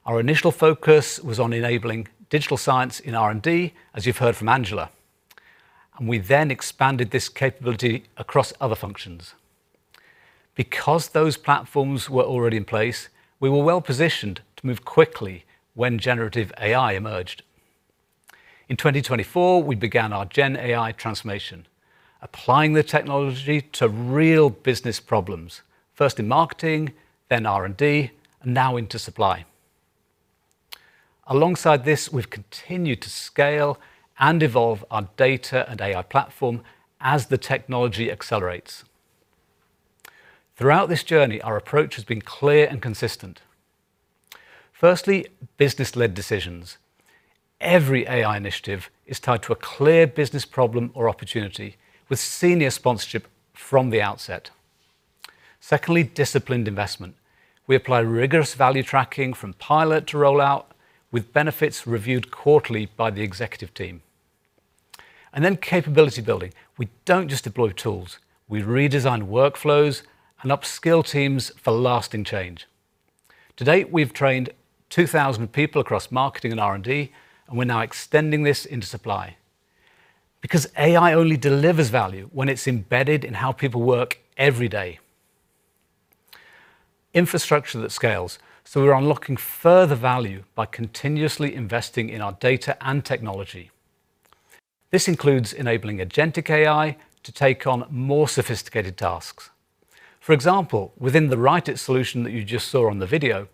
Our initial focus was on enabling digital science in R&D, as you've heard from Angela, and we then expanded this capability across other functions. Because those platforms were already in place, we were well-positioned to move quickly when generative AI emerged. In 2024, we began our GenAI transformation, applying the technology to real business problems, first in marketing, then R&D, and now into supply. Alongside this, we've continued to scale and evolve our data and AI platform as the technology accelerates. Throughout this journey, our approach has been clear and consistent. Firstly, business-led decisions. Every AI initiative is tied to a clear business problem or opportunity with senior sponsorship from the outset. Secondly, disciplined investment. We apply rigorous value tracking from pilot to rollout with benefits reviewed quarterly by the executive team. Then capability building. We don't just deploy tools, we redesign workflows and upskill teams for lasting change. To date, we've trained 2,000 people across marketing and R&D, we're now extending this into supply because AI only delivers value when it's embedded in how people work every day. Infrastructure that scales, we're unlocking further value by continuously investing in our data and technology. This includes enabling agentic AI to take on more sophisticated tasks. For example, within the WriteIt solution that you just saw on the video,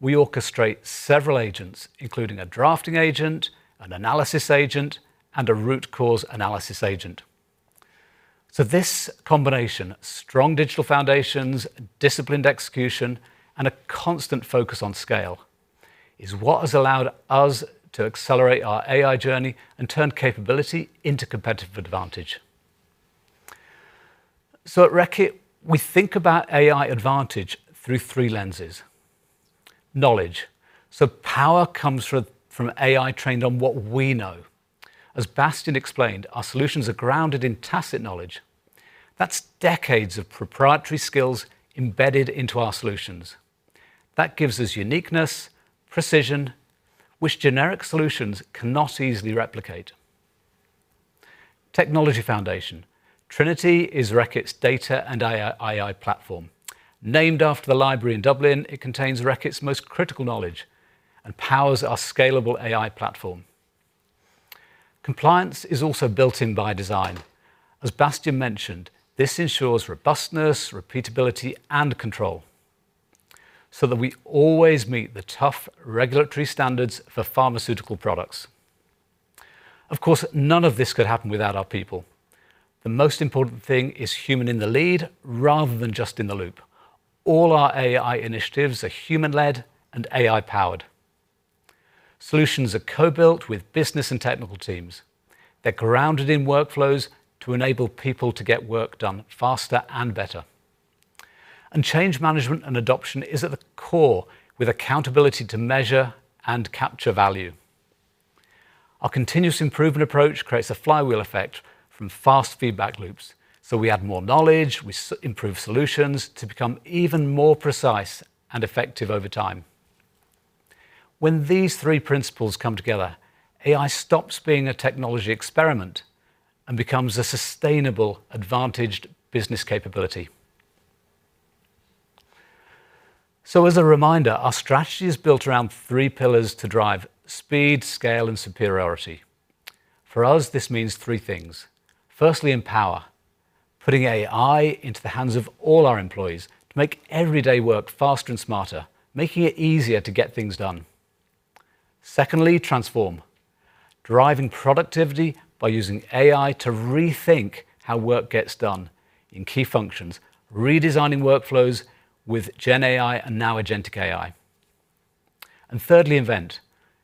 we orchestrate several agents, including a drafting agent, an analysis agent, and a root cause analysis agent. This combination, strong digital foundations, disciplined execution, and a constant focus on scale, is what has allowed us to accelerate our AI journey and turn capability into competitive advantage. At Reckitt, we think about AI advantage through three lenses. Knowledge. Power comes from AI trained on what we know. As Bastien explained, our solutions are grounded in tacit knowledge. That's decades of proprietary skills embedded into our solutions. That gives us uniqueness, precision, which generic solutions cannot easily replicate. Technology foundation. Trinity is Reckitt's data and AI platform. Named after the library in Dublin, it contains Reckitt's most critical knowledge and powers our scalable AI platform. Compliance is also built in by design. As Bastien mentioned, this ensures robustness, repeatability, and control so that we always meet the tough regulatory standards for pharmaceutical products. Of course, none of this could happen without our people. The most important thing is human in the lead rather than just in the loop. All our AI initiatives are human-led and AI-powered. Solutions are co-built with business and technical teams. They're grounded in workflows to enable people to get work done faster and better. Change management and adoption is at the core, with accountability to measure and capture value. Our continuous improvement approach creates a flywheel effect from fast feedback loops, so we add more knowledge, we improve solutions to become even more precise and effective over time. When these three principles come together, AI stops being a technology experiment and becomes a sustainable advantaged business capability. As a reminder, our strategy is built around three pillars to drive speed, scale, and superiority. For us, this means three things. Firstly, empower, putting AI into the hands of all our employees to make everyday work faster and smarter, making it easier to get things done. Secondly, transform, driving productivity by using AI to rethink how work gets done in key functions, redesigning workflows with GenAI and now agentic AI. Thirdly, invent,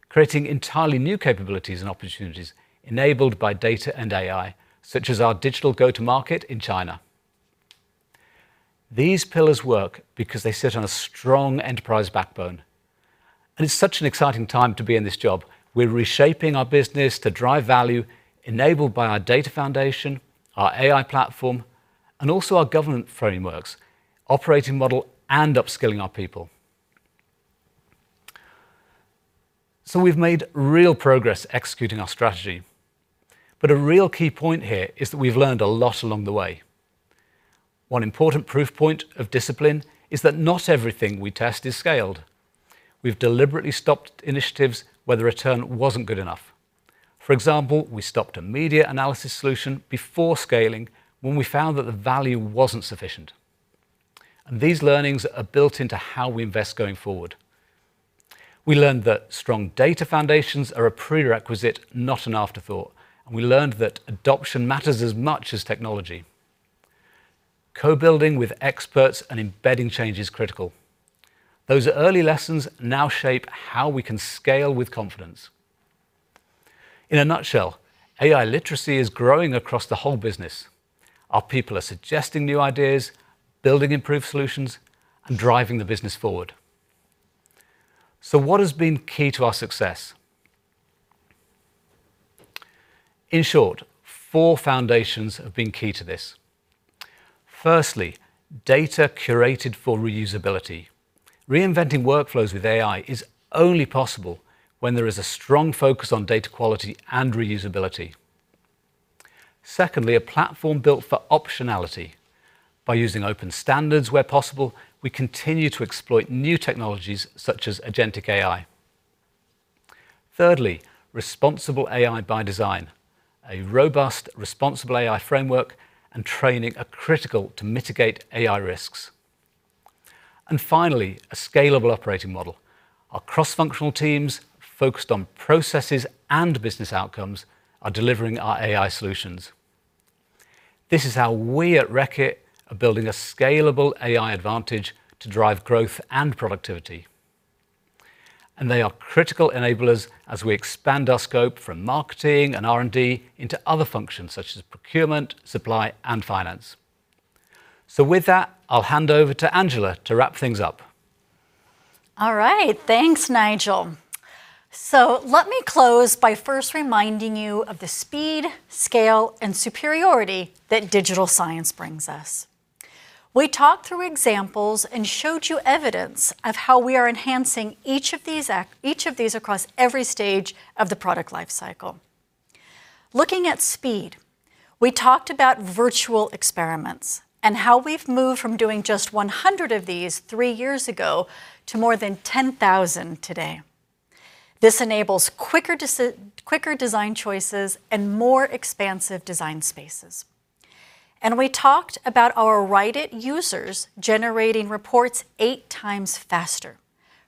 creating entirely new capabilities and opportunities enabled by data and AI, such as our digital go-to-market in China. These pillars work because they sit on a strong enterprise backbone, and it's such an exciting time to be in this job. We're reshaping our business to drive value enabled by our data foundation, our AI platform, and also our government frameworks, operating model, and upskilling our people. We've made real progress executing our strategy, but a real key point here is that we've learned a lot along the way. One important proof point of discipline is that not everything we test is scaled. We've deliberately stopped initiatives where the return wasn't good enough. For example, we stopped a media analysis solution before scaling when we found that the value wasn't sufficient, and these learnings are built into how we invest going forward. We learned that strong data foundations are a prerequisite, not an afterthought, and we learned that adoption matters as much as technology. Co-building with experts and embedding change is critical. Those early lessons now shape how we can scale with confidence. In a nutshell, AI literacy is growing across the whole business. Our people are suggesting new ideas, building improved solutions, and driving the business forward. What has been key to our success? In short, four foundations have been key to this. Firstly, data curated for reusability. Reinventing workflows with AI is only possible when there is a strong focus on data quality and reusability. Secondly, a platform built for optionality. By using open standards where possible, we continue to exploit new technologies such as agentic AI. Thirdly, responsible AI by design. A robust responsible AI framework and training are critical to mitigate AI risks. Finally, a scalable operating model. Our cross-functional teams focused on processes and business outcomes are delivering our AI solutions. This is how we at Reckitt are building a scalable AI advantage to drive growth and productivity, and they are critical enablers as we expand our scope from marketing and R&D into other functions such as procurement, supply, and finance. With that, I'll hand over to Angela to wrap things up. All right. Thanks, Nigel. Let me close by first reminding you of the speed, scale, and superiority that digital science brings us. We talked through examples and showed you evidence of how we are enhancing each of these across every stage of the product life cycle. Looking at speed, we talked about virtual experiments and how we've moved from doing just 100 of these three years ago to more than 10,000 today. This enables quicker design choices and more expansive design spaces. We talked about our WriteIt users generating reports 8x faster,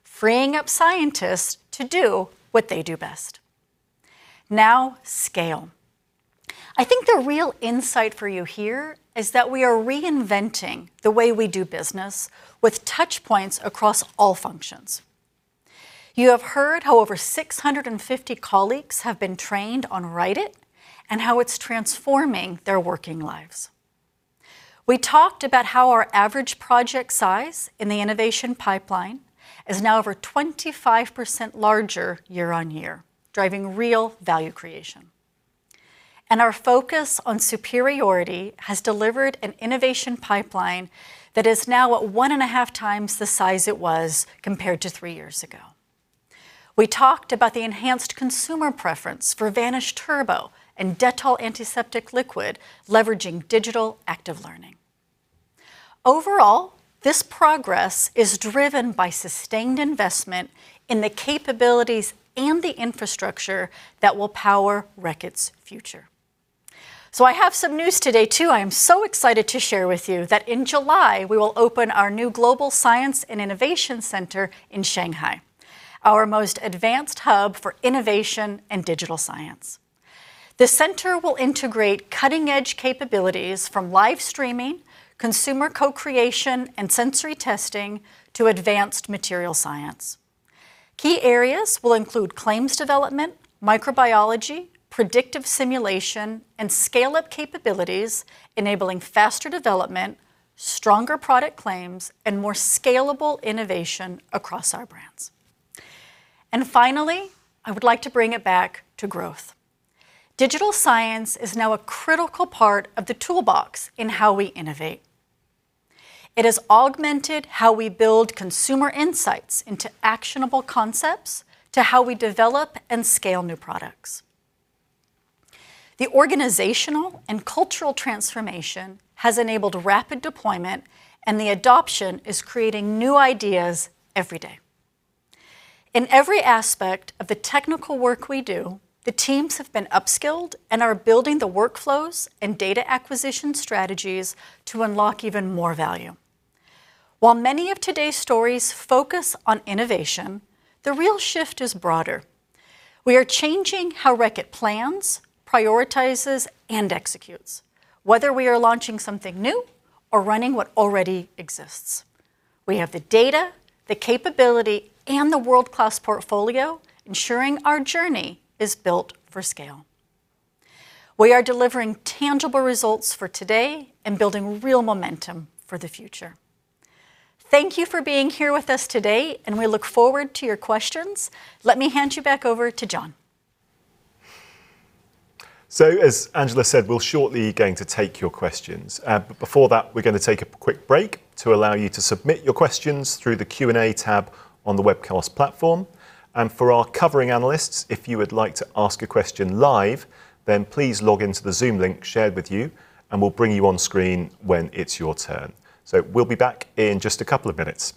freeing up scientists to do what they do best. Now, scale. I think the real insight for you here is that we are reinventing the way we do business with touchpoints across all functions. You have heard how over 650 colleagues have been trained on WriteIt and how it's transforming their working lives. We talked about how our average project size in the innovation pipeline is now over 25% larger year on year, driving real value creation. Our focus on superiority has delivered an innovation pipeline that is now at 1.5x the size it was compared to three years ago. We talked about the enhanced consumer preference for Vanish Turbo and Dettol Antiseptic Liquid, leveraging digital active learning. Overall, this progress is driven by sustained investment in the capabilities and the infrastructure that will power Reckitt's future. I have some news today too. I am so excited to share with you that in July, we will open our new global science and innovation center in Shanghai, our most advanced hub for innovation and digital science. The center will integrate cutting-edge capabilities from live streaming, consumer co-creation, and sensory testing to advanced material science. Key areas will include claims development, microbiology, predictive simulation, and scale-up capabilities, enabling faster development, stronger product claims, and more scalable innovation across our brands. Finally, I would like to bring it back to growth. Digital science is now a critical part of the toolbox in how we innovate. It has augmented how we build consumer insights into actionable concepts to how we develop and scale new products. The organizational and cultural transformation has enabled rapid deployment, and the adoption is creating new ideas every day. In every aspect of the technical work we do, the teams have been upskilled and are building the workflows and data acquisition strategies to unlock even more value. While many of today's stories focus on innovation, the real shift is broader. We are changing how Reckitt plans, prioritizes, and executes, whether we are launching something new or running what already exists. We have the data, the capability, and the world-class portfolio ensuring our journey is built for scale. We are delivering tangible results for today and building real momentum for the future. Thank you for being here with us today, and we look forward to your questions. Let me hand you back over to Jon. As Angela said, we're shortly going to take your questions. Before that, we're going to take a quick break to allow you to submit your questions through the Q&A tab on the webcast platform. For our covering analysts, if you would like to ask a question live, then please log into the Zoom link shared with you, and we'll bring you on screen when it's your turn. We'll be back in just two minutes.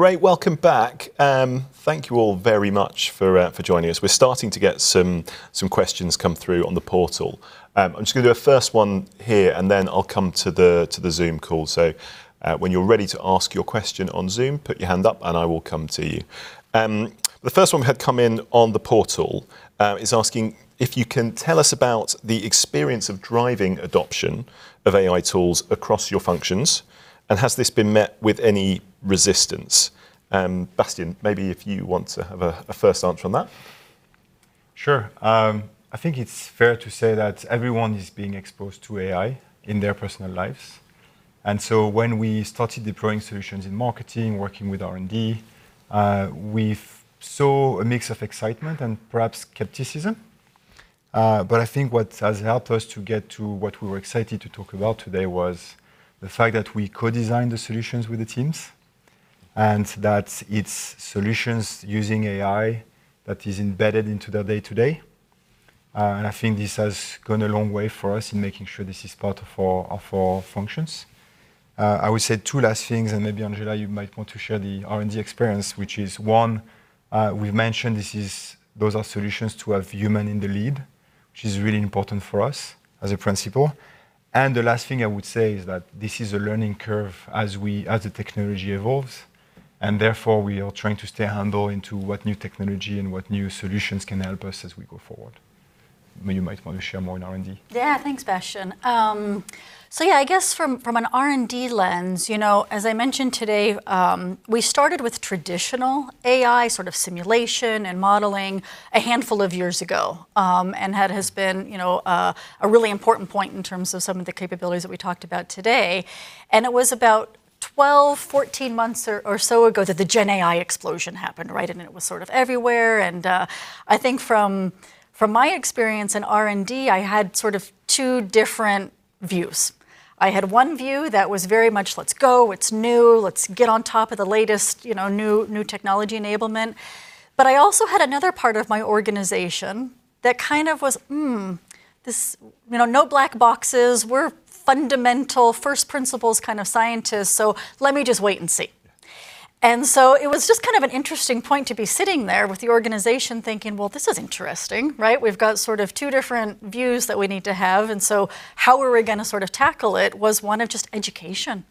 Great. Welcome back. Thank you all very much for joining us. We're starting to get some questions come through on the portal. I'm just going to do a first one here, and then I'll come to the Zoom call. When you're ready to ask your question on Zoom, put your hand up, and I will come to you. The first one we had come in on the portal, is asking if you can tell us about the experience of driving adoption of AI tools across your functions, and has this been met with any resistance? Bastien, maybe if you want to have a first answer on that. Sure. I think it's fair to say that everyone is being exposed to AI in their personal lives. When we started deploying solutions in marketing, working with R&D, we saw a mix of excitement and perhaps skepticism. I think what has helped us to get to what we were excited to talk about today was the fact that we co-designed the solutions with the teams, that it's solutions using AI that is embedded into their day-to-day. I think this has gone a long way for us in making sure this is part of our functions. I would say two last things, and maybe Angela, you might want to share the R&D experience, which is, one, we've mentioned this is those are solutions to have human in the lead, which is really important for us as a principle. The last thing I would say is that this is a learning curve as the technology evolves, and therefore we are trying to stay handle into what new technology and what new solutions can help us as we go forward. Maybe you might want to share more on R&D. Yeah. Thanks, Bastien. I guess from an R&D lens, you know, as I mentioned today, we started with traditional AI sort of simulation and modeling a handful of years ago. That has been, you know, a really important point in terms of some of the capabilities that we talked about today. It was about 12, 14 months or so ago that the GenAI explosion happened, right? It was sort of everywhere and, I think from my experience in R&D, I had sort of two different views. I had one view that was very much, "Let's go. It's new. Let's get on top of the latest, you know, new technology enablement." I also had another part of my organization that kind of was, "Hmm, this You know, no black boxes. We're fundamental first principles kind of scientists, let me just wait and see. It was just kind of an interesting point to be sitting there with the organization thinking, "Well, this is interesting," right? We've got sort of two different views that we need to have, how were we gonna sort of tackle it was one of just education.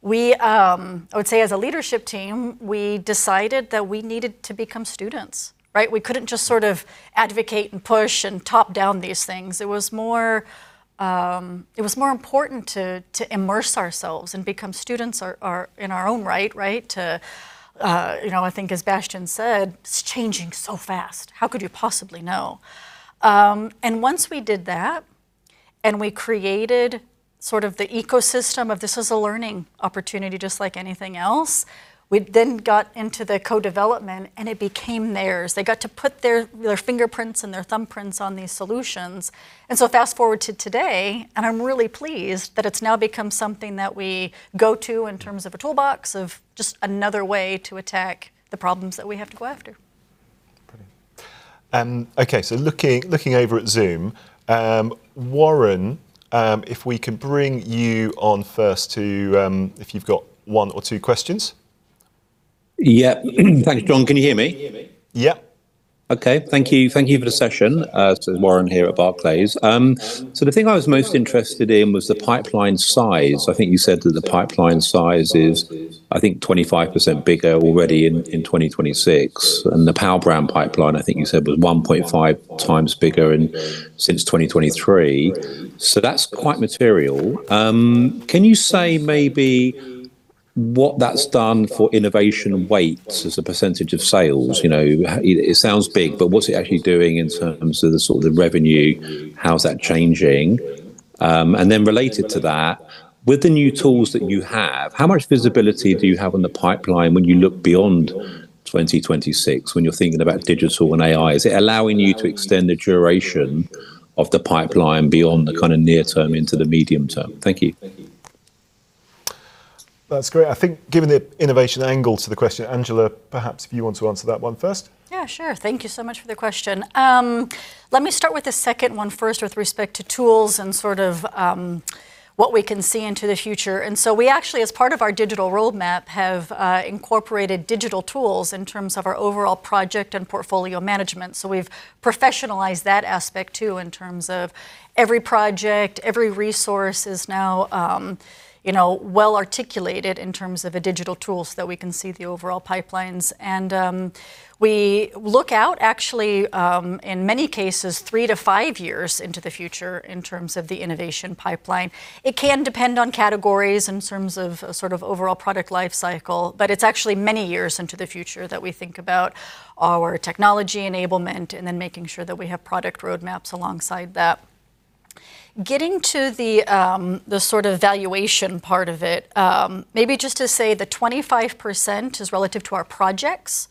We, I would say as a leadership team, we decided that we needed to become students, right? We couldn't just sort of advocate and push and top-down these things. It was more, it was more important to immerse ourselves and become students in our own right? To, you know, I think as Bastien said, it's changing so fast. How could you possibly know? Once we did that, and we created sort of the ecosystem of this is a learning opportunity just like anything else, we then got into the co-development, and it became theirs. They got to put their fingerprints and their thumbprints on these solutions. Fast-forward to today, and I'm really pleased that it's now become something that we go to in terms of a toolbox of just another way to attack the problems that we have to go after. Brilliant. Okay. Looking over at Zoom, Warren, if we can bring you on first to, if you've got one or two questions. Yeah. Thank you, Jon. Can you hear me? Yeah. Okay. Thank you. Thank you for the session. It's Warren here at Barclays. The thing I was most interested in was the pipeline size. I think you said that the pipeline size is, I think, 25% bigger already in 2026, and the Power Brand pipeline I think you said was 1.5x bigger since 2023. That's quite material. Can you say maybe what that's done for innovation weights as a percentage of sales? You know, it sounds big, but what's it actually doing in terms of the sort of the revenue? How's that changing? Related to that, with the new tools that you have, how much visibility do you have on the pipeline when you look beyond 2026 when you're thinking about digital and AI? Is it allowing you to extend the duration of the pipeline beyond the kind of near term into the medium term? Thank you. That's great. I think given the innovation angle to the question, Angela, perhaps if you want to answer that one first. Thank you so much for the question. Let me start with the second 1 first with respect to tools and what we can see into the future. We actually, as part of our digital roadmap, have incorporated digital tools in terms of our overall project and portfolio management, so we've professionalized that aspect too in terms of every project, every resource is now, you know, well-articulated in terms of the digital tools that we can see the overall pipelines. We look out actually, in many cases three to five years into the future in terms of the innovation pipeline. It can depend on categories in terms of a sort of overall product life cycle, but it's actually many years into the future that we think about our technology enablement and then making sure that we have product roadmaps alongside that. Getting to the sort of valuation part of it, maybe just to say the 25% is relative to our projects,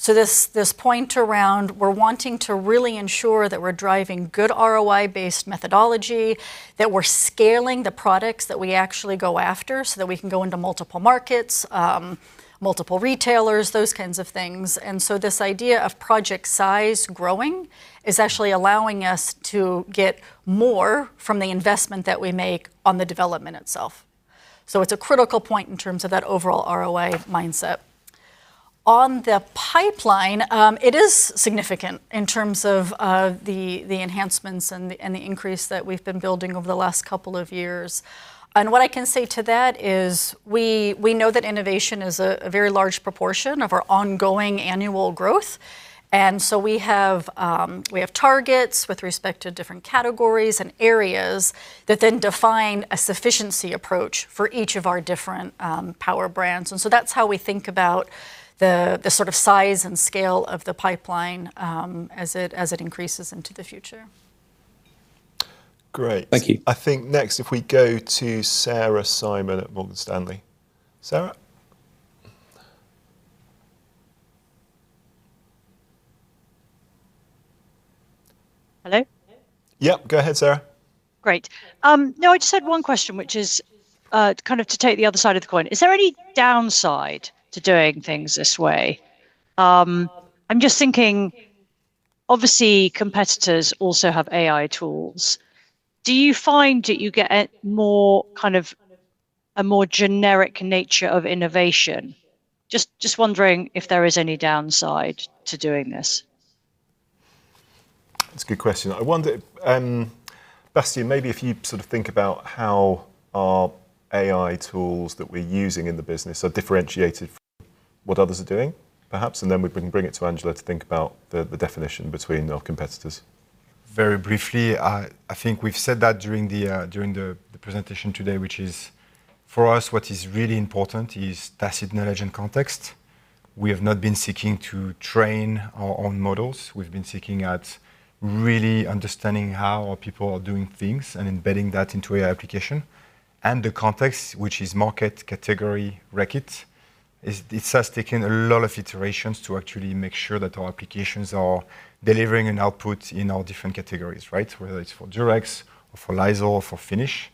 so this point around we're wanting to really ensure that we're driving good ROI-based methodology, that we're scaling the products that we actually go after so that we can go into multiple markets, multiple retailers, those kinds of things. This idea of project size growing is actually allowing us to get more from the investment that we make on the development itself. It's a critical point in terms of that overall ROI mindset. On the pipeline, it is significant in terms of the enhancements and the increase that we've been building over the last couple of years. What I can say to that is we know that innovation is a very large proportion of our ongoing annual growth, we have targets with respect to different categories and areas that then define a sufficiency approach for each of our different power brands. That's how we think about the sort of size and scale of the pipeline, as it increases into the future. Great. I think next if we go to Sarah Simon at Morgan Stanley. Sarah? Hello? Yep, go ahead, Sarah. Great. No, I just had one question, which is kind of to take the other side of the coin. Is there any downside to doing things this way? I'm just thinking obviously competitors also have AI tools. Do you find that you get a more generic nature of innovation? Just wondering if there is any downside to doing this. That's a good question. I wonder, Bastien, maybe if you sort of think about how our AI tools that we're using in the business are differentiated from what others are doing perhaps, and then we can bring it to Angela to think about the definition between our competitors. Very briefly, I think we've said that during the presentation today, which is for us what is really important is tacit knowledge and context. We have not been seeking to train our own models. We've been seeking at really understanding how our people are doing things and embedding that into AI application. The context, which is market category Reckitt, is it has taken a lot of iterations to actually make sure that our applications are delivering an output in our different categories, right? Whether it's for Durex or for Lysol or for Finish,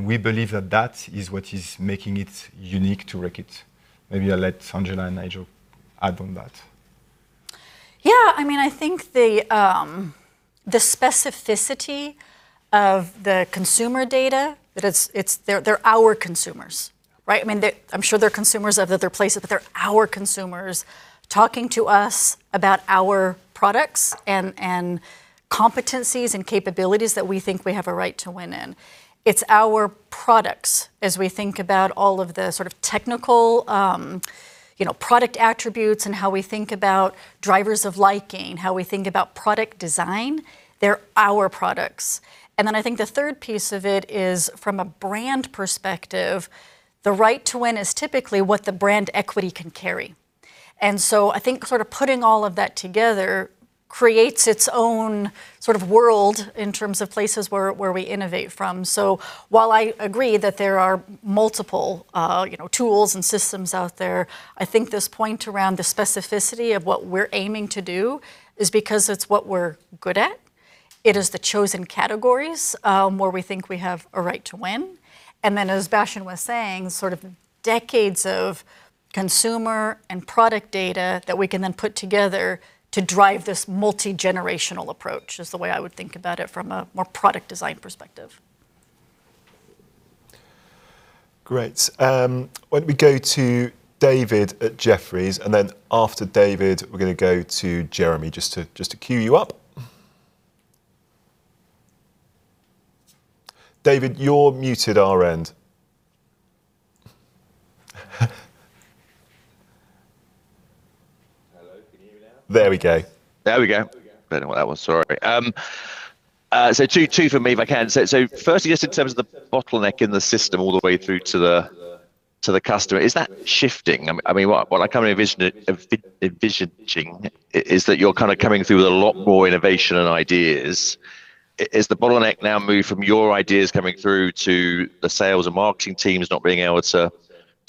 we believe that that is what is making it unique to Reckitt. Maybe I'll let Angela and Nigel add on that. Yeah, I mean, I think the specificity of the consumer data that it's they're our consumers, right? I mean, they're, I'm sure they're consumers of other places, but they're our consumers talking to us about our products and competencies and capabilities that we think we have a right to win in. It's our products as we think about all of the sort of technical, you know, product attributes and how we think about drivers of liking, how we think about product design. They're our products. I think the third piece of it is from a brand perspective, the right to win is typically what the brand equity can carry. I think sort of putting all of that together creates its own sort of world in terms of places where we innovate from. While I agree that there are multiple, you know, tools and systems out there, I think this point around the specificity of what we're aiming to do is because it's what we're good at. It is the chosen categories, where we think we have a right to win, and then as Bastien was saying, sort of decades of consumer and product data that we can then put together to drive this multi-generational approach is the way I would think about it from a more product design perspective. Great. Why don't we go to David at Jefferies, and then after David we're gonna go to Jeremy, just to queue you up. David, you're muted our end. Hello, can you hear me now? There we go. There we go. Don't know what that was, sorry. Two from me if I can. Firstly just in terms of the bottleneck in the system all the way through to the customer, is that shifting? I mean, what I kind of envision, envisioning is that you're kind of coming through with a lot more innovation and ideas. Is the bottleneck now moved from your ideas coming through to the sales and marketing teams not being able to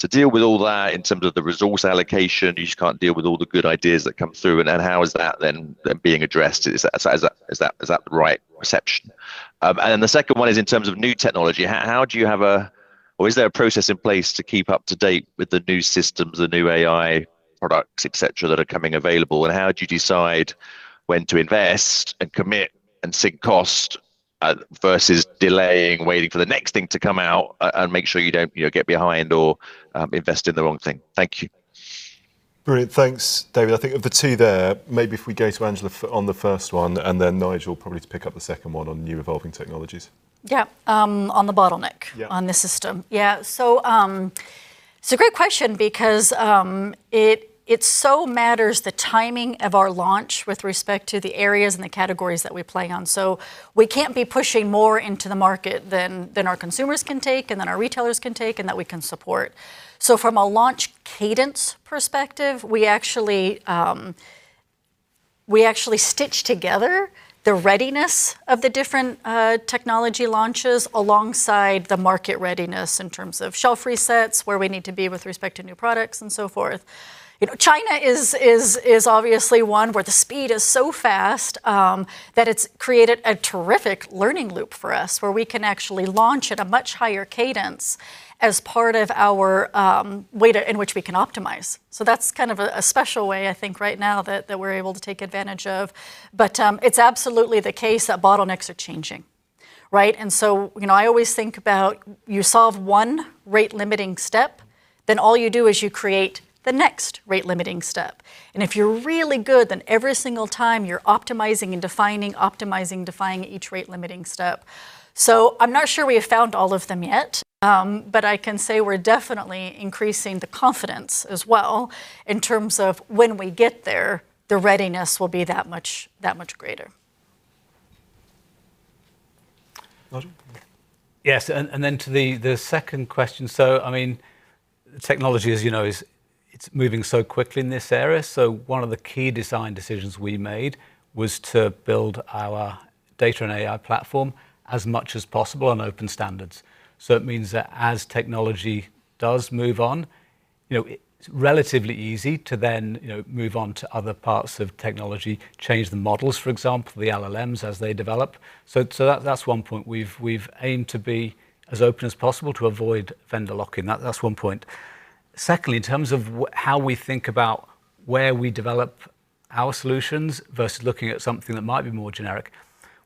deal with all that in terms of the resource allocation? You just can't deal with all the good ideas that come through and how is that then being addressed? Is that the right perception? Then the second one is in terms of new technology. How do you have a or is there a process in place to keep up to date with the new systems, the new AI products, et cetera, that are coming available? How do you decide when to invest and commit and sink cost versus delaying, waiting for the next thing to come out and make sure you don't, you know, get behind or invest in the wrong thing? Thank you. Brilliant. Thanks, David. I think of the two there, maybe if we go to Angela Naef on the first one, and then Nigel probably to pick up the second one on new evolving technologies. Yeah, on the bottleneck. Yeah on the system. It so matters the timing of our launch with respect to the areas and the categories that we play on. We can't be pushing more into the market than our consumers can take and than our retailers can take and that we can support. From a launch cadence perspective, we actually, we actually stitch together the readiness of the different technology launches alongside the market readiness in terms of shelf resets, where we need to be with respect to new products and so forth. You know, China is obviously one where the speed is so fast that it's created a terrific learning loop for us where we can actually launch at a much higher cadence as part of our way to in which we can optimize. That's kind of a special way I think right now that we're able to take advantage of. It's absolutely the case that bottlenecks are changing, right? You know, I always think about you solve one rate limiting step, then all you do is you create the next rate limiting step. If you're really good, then every single time you're optimizing and defining, optimizing and defining each rate limiting step. I'm not sure we have found all of them yet, but I can say we're definitely increasing the confidence as well in terms of when we get there, the readiness will be that much greater. Nigel? Yes, and then to the second question, so I mean, technology, as you know, it's moving so quickly in this area, so one of the key design decisions we made was to build our data and AI platform as much as possible on open standards. It means that as technology does move on, you know, it's relatively easy to then, you know, move on to other parts of technology, change the models, for example, the LLMs as they develop. That's one point. We've aimed to be as open as possible to avoid vendor lock-in. That's one point. Secondly, in terms of how we think about where we develop our solutions versus looking at something that might be more generic,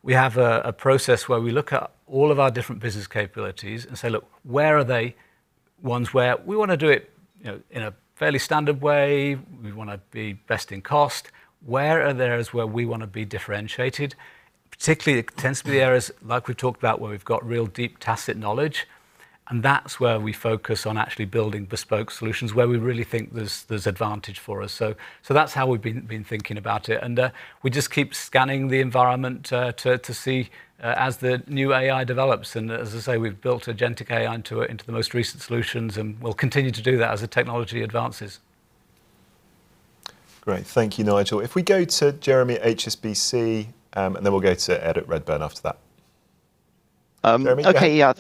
we have a process where we look at all of our different business capabilities and say, "Look, where are they ones where we wanna do it, you know, in a fairly standard way? We wanna be best in cost. Where are there areas where we wanna be differentiated?" Particularly it tends to be areas like we've talked about where we've got real deep, tacit knowledge, and that's where we focus on actually building bespoke solutions where we really think there's advantage for us. That's how we've been thinking about it. We just keep scanning the environment to see as the new AI develops. As I say, we've built agentic AI into it, into the most recent solutions, and we'll continue to do that as the technology advances. Great. Thank you, Nigel. If we go to Jeremy, HSBC, we'll go to Ed at Redburn after that. Jeremy, yeah. Okay, yeah.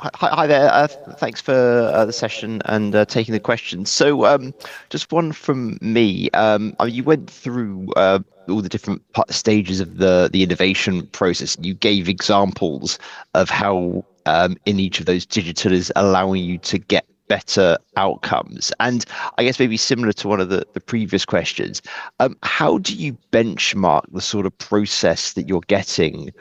Hi there. Thanks for the session and taking the questions. Just 1 from me. You went through all the different stages of the innovation process. You gave examples of how, in each of those digital is allowing you to get better outcomes. I guess maybe similar to one of the previous questions, how do you benchmark the sort of process that you're getting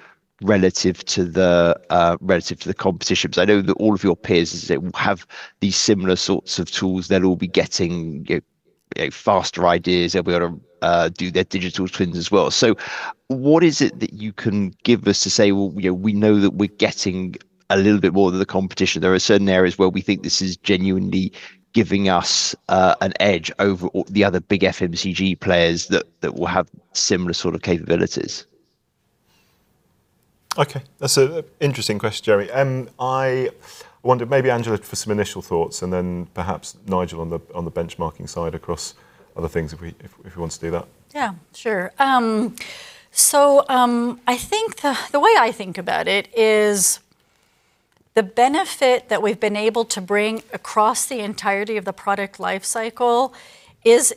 relative to the relative to the competition? Because I know that all of your peers as I say have these similar sorts of tools. They'll all be getting, you know, faster ideas. They'll be able to do their digital twins as well. What is it that you can give us to say, "Well, you know, we know that we're getting a little bit more than the competition. There are certain areas where we think this is genuinely giving us an edge over the other big FMCG players that will have similar sort of capabilities"? Okay. That's a interesting question, Jeremy. I wonder, maybe Angela for some initial thoughts, and then perhaps Nigel on the, on the benchmarking side across other things if we, if you want to do that. Yeah, sure. I think the way I think about it is the benefit that we've been able to bring across the entirety of the product life cycle is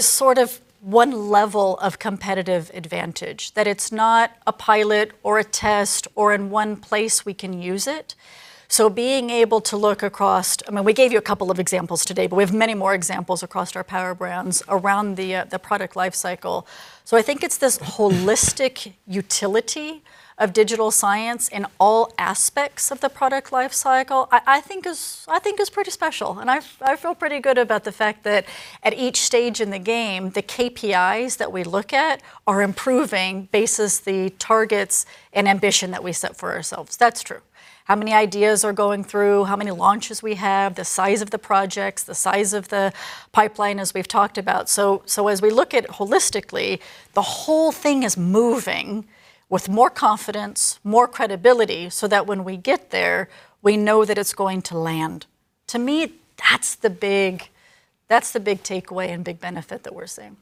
sort of one level of competitive advantage, that it's not a pilot or a test or in one place we can use it. Being able to look across, I mean, we gave you two examples today, but we have many more examples across our power brands around the product life cycle. I think it's this holistic utility of digital science in all aspects of the product life cycle I think is pretty special. I feel pretty good about the fact that at each stage in the game, the KPIs that we look at are improving basis the targets and ambition that we set for ourselves. That is true. How many ideas are going through, how many launches we have, the size of the projects, the size of the pipeline, as we have talked about. As we look at it holistically, the whole thing is moving with more confidence, more credibility, so that when we get there, we know that it is going to land. To me, that is the big takeaway and big benefit that we are seeing.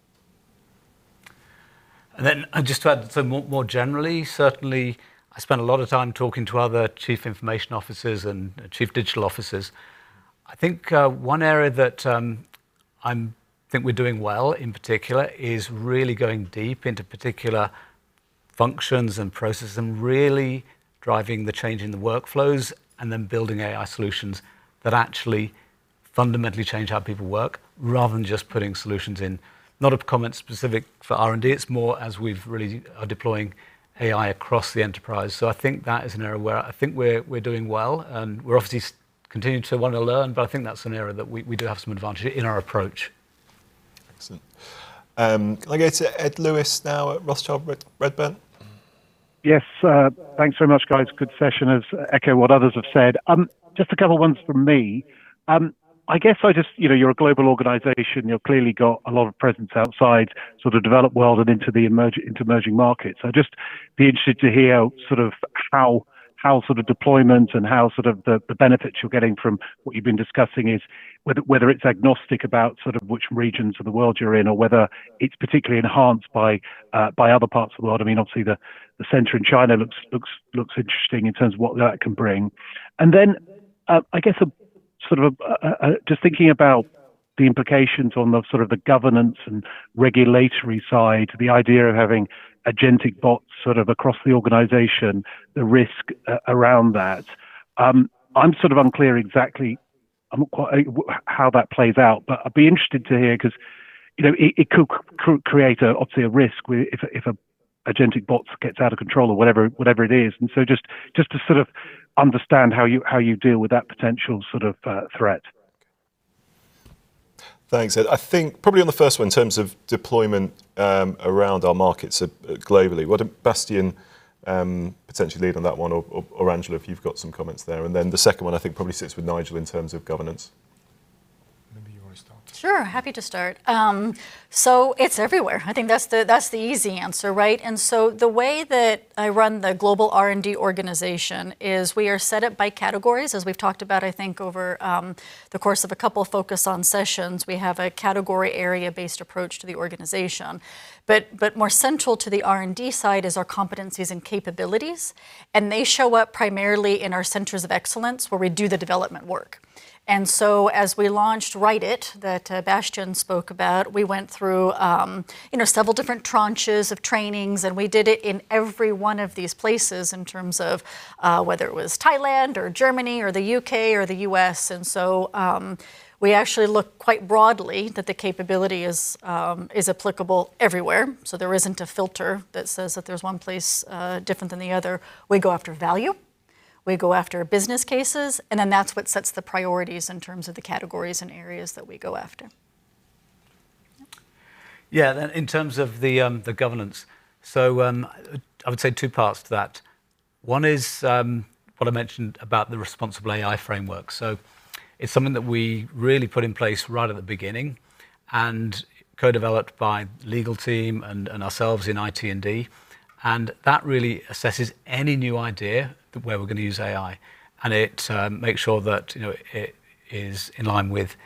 Just to add, more generally, certainly I spend a lot of time talking to other Chief Information Officers and Chief Digital Officers. I think one area that I think we're doing well in particular is really going deep into particular functions and processes and really driving the change in the workflows and then building AI solutions that actually fundamentally change how people work rather than just putting solutions in. Not a comment specific for R&D, it's more as we've really are deploying AI across the enterprise. I think that is an area where I think we're doing well, and we're obviously continuing to want to learn, but I think that's an area that we do have some advantage in our approach. Excellent. Can I go to Ed Lewis now at Rothschild Redburn? Yes. Thanks very much, guys. Good session. As I echo what others have said. Just a couple ones from me. I guess, you know, you're a global organization. You've clearly got a lot of presence outside sort of developed world and into emerging markets. I'd just be interested to hear sort of how sort of deployment and how sort of the benefits you're getting from what you've been discussing is, whether it's agnostic about sort of which regions of the world you're in, or whether it's particularly enhanced by other parts of the world. I mean, obviously the center in China looks interesting in terms of what that can bring. I guess a, sort of a, just thinking about the implications on the sort of the governance and regulatory side, the idea of having agentic bots sort of across the organization, the risk around that. I'm sort of unclear exactly, I'm not how that plays out, but I'd be interested to hear, 'cause, you know, it could create a, obviously a risk where if a agentic bot gets out of control or whatever it is. Just to sort of understand how you deal with that potential sort of threat. Thanks, Ed. I think probably on the first one, in terms of deployment, around our markets, globally, why don't Bastien potentially lead on that one or Angela, if you've got some comments there. Then the second one I think probably sits with Nigel in terms of governance. Sure. Happy to start. It's everywhere. I think that's the easy answer, right? The way that I run the global R&D organization is we are set up by categories, as we've talked about, I think, over the course of a couple Focus On sessions. We have a category area based approach to the organization. More central to the R&D side is our competencies and capabilities, and they show up primarily in our centers of excellence where we do the development work. As we launched WriteIt, that Bastien spoke about, we went through, you know, several different tranches of trainings, and we did it in every one of these places in terms of whether it was Thailand or Germany or the U.K. or the U.S. We actually look quite broadly that the capability is applicable everywhere. There isn't a filter that says that there's one place different than the other. We go after value, we go after business cases, and then that's what sets the priorities in terms of the categories and areas that we go after. Yeah. In terms of the governance, I would say two parts to that. One is what I mentioned about the responsible AI framework. It's something that we really put in place right at the beginning and co-developed by legal team and ourselves in IT&D. That really assesses any new idea where we're gonna use AI, and it makes sure that, you know, it is in line with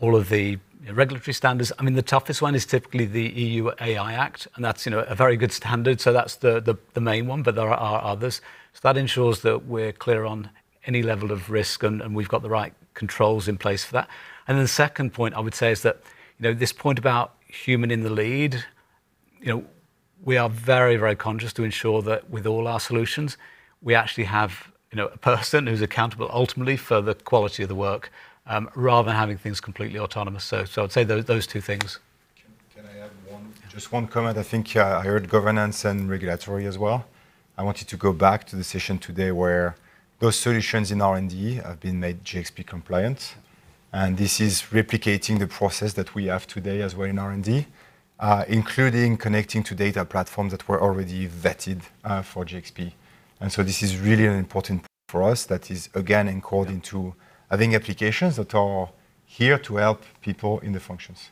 all of the regulatory standards. I mean, the toughest one is typically the Artificial Intelligence Act, and that's, you know, a very good standard. That's the main one, but there are others. That ensures that we're clear on any level of risk and we've got the right controls in place for that. The second point I would say is that, you know, this point about human in the lead, you know, we are very, very conscious to ensure that with all our solutions, we actually have, you know, a person who's accountable ultimately for the quality of the work, rather than having things completely autonomous. I'd say those two things. Can I add one, just one comment? I think, yeah, I heard governance and regulatory as well. I wanted to go back to the session today where those solutions in R&D have been made GxP compliant, and this is replicating the process that we have today as we're in R&D, including connecting to data platforms that were already vetted for GxP. This is really an important for us that is again encoding to having applications that are here to help people in the functions.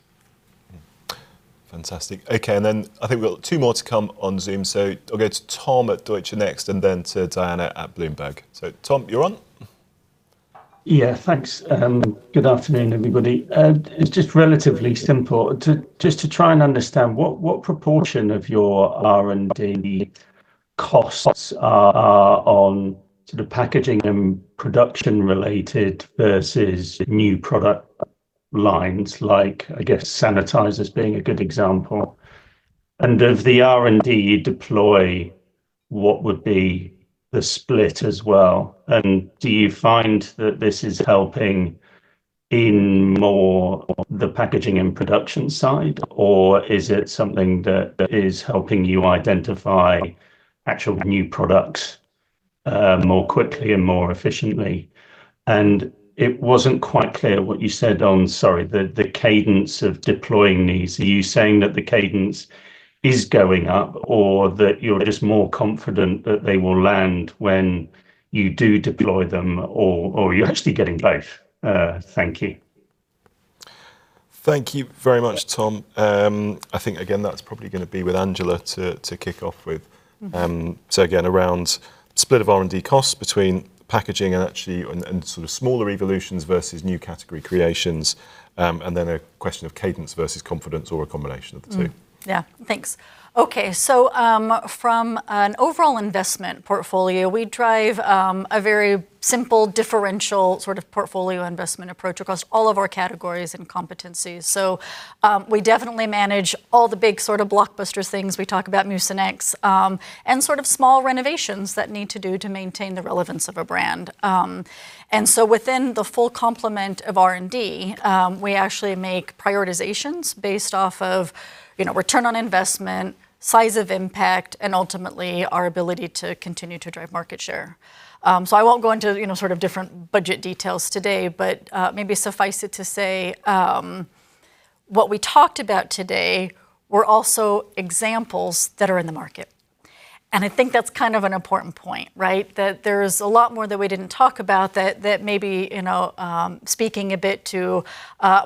Fantastic. Okay. I think we've got two more to come on Zoom. I'll go to Tom at Deutsche next and then to Diana at Bloomberg. Tom, you're on. Thanks. Good afternoon, everybody. It's just relatively simple. Just to try and understand, what proportion of your R&D costs are on sort of packaging and production related versus new product lines, like I guess sanitizers being a good example? Of the R&D you deploy, what would be the split as well? Do you find that this is helping in more the packaging and production side, or is it something that is helping you identify actual new products more quickly and more efficiently? It wasn't quite clear what you said on, sorry, the cadence of deploying these. Are you saying that the cadence is going up or that you're just more confident that they will land when you do deploy them or are you actually getting both? Thank you. Thank you very much, Tom. I think again, that's probably going to be with Angela to kick off with. Again, around split of R&D costs between packaging and actually, and sort of smaller evolutions versus new category creations, a question of cadence versus confidence or a combination of the two. Yeah. Thanks. From an overall investment portfolio, we drive a very simple differential sort of portfolio investment approach across all of our categories and competencies. We definitely manage all the big sort of blockbuster things, we talk about Mucinex, and sort of small renovations that need to do to maintain the relevance of a brand. Within the full complement of R&D, we actually make prioritizations based off of, you know, return on investment, size of impact, and ultimately our ability to continue to drive market share. I won't go into, you know, sort of different budget details today, but maybe suffice it to say, what we talked about today were also examples that are in the market, and I think that's kind of an important point, right? That there's a lot more that we didn't talk about that maybe, you know, speaking a bit to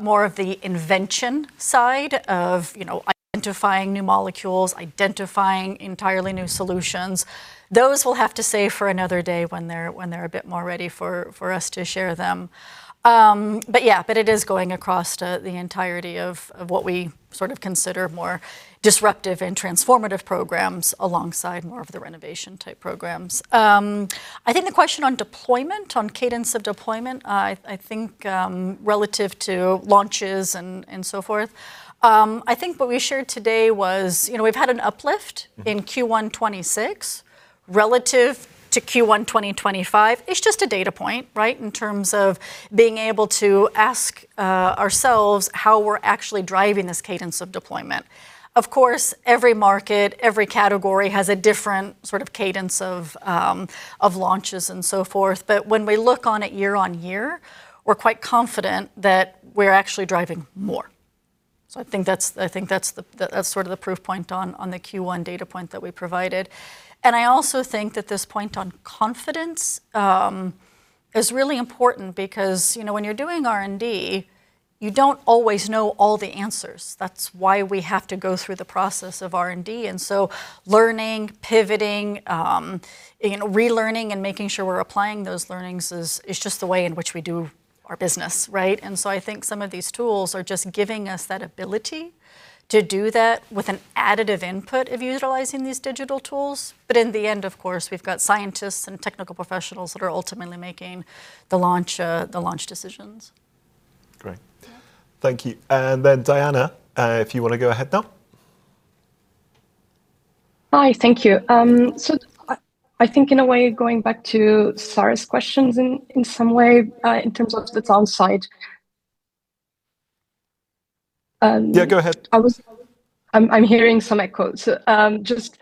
more of the invention side of, you know, identifying new molecules, identifying entirely new solutions. Those we'll have to save for another day when they're, when they're a bit more ready for us to share them. Yeah, but it is going across the entirety of what we sort of consider more disruptive and transformative programs alongside more of the renovation-type programs. I think the question on deployment, on cadence of deployment, I think, relative to launches and so forth, I think what we shared today was, you know, we've had an uplift. in Q1 2026 relative to Q1 2025. It's just a data point, right? In terms of being able to ask ourselves how we're actually driving this cadence of deployment. Of course, every market, every category has a different sort of cadence of launches and so forth. When we look on it year on year, we're quite confident that we're actually driving more. I think that's sort of the proof point on the Q1 data point that we provided. I also think that this point on confidence is really important because, you know, when you're doing R&D, you don't always know all the answers. That's why we have to go through the process of R&D. Learning, pivoting, you know, relearning and making sure we are applying those learnings is just the way in which we do our business, right? I think some of these tools are just giving us that ability to do that with an additive input of utilizing these digital tools. In the end, of course, we have got scientists and technical professionals that are ultimately making the launch decisions. Great. Yeah. Thank you. Diana, if you wanna go ahead now. Hi. Thank you. I think in a way, going back to Sarah's questions in some way, in terms of the downside. Yeah, go ahead. I'm hearing some echoes. Just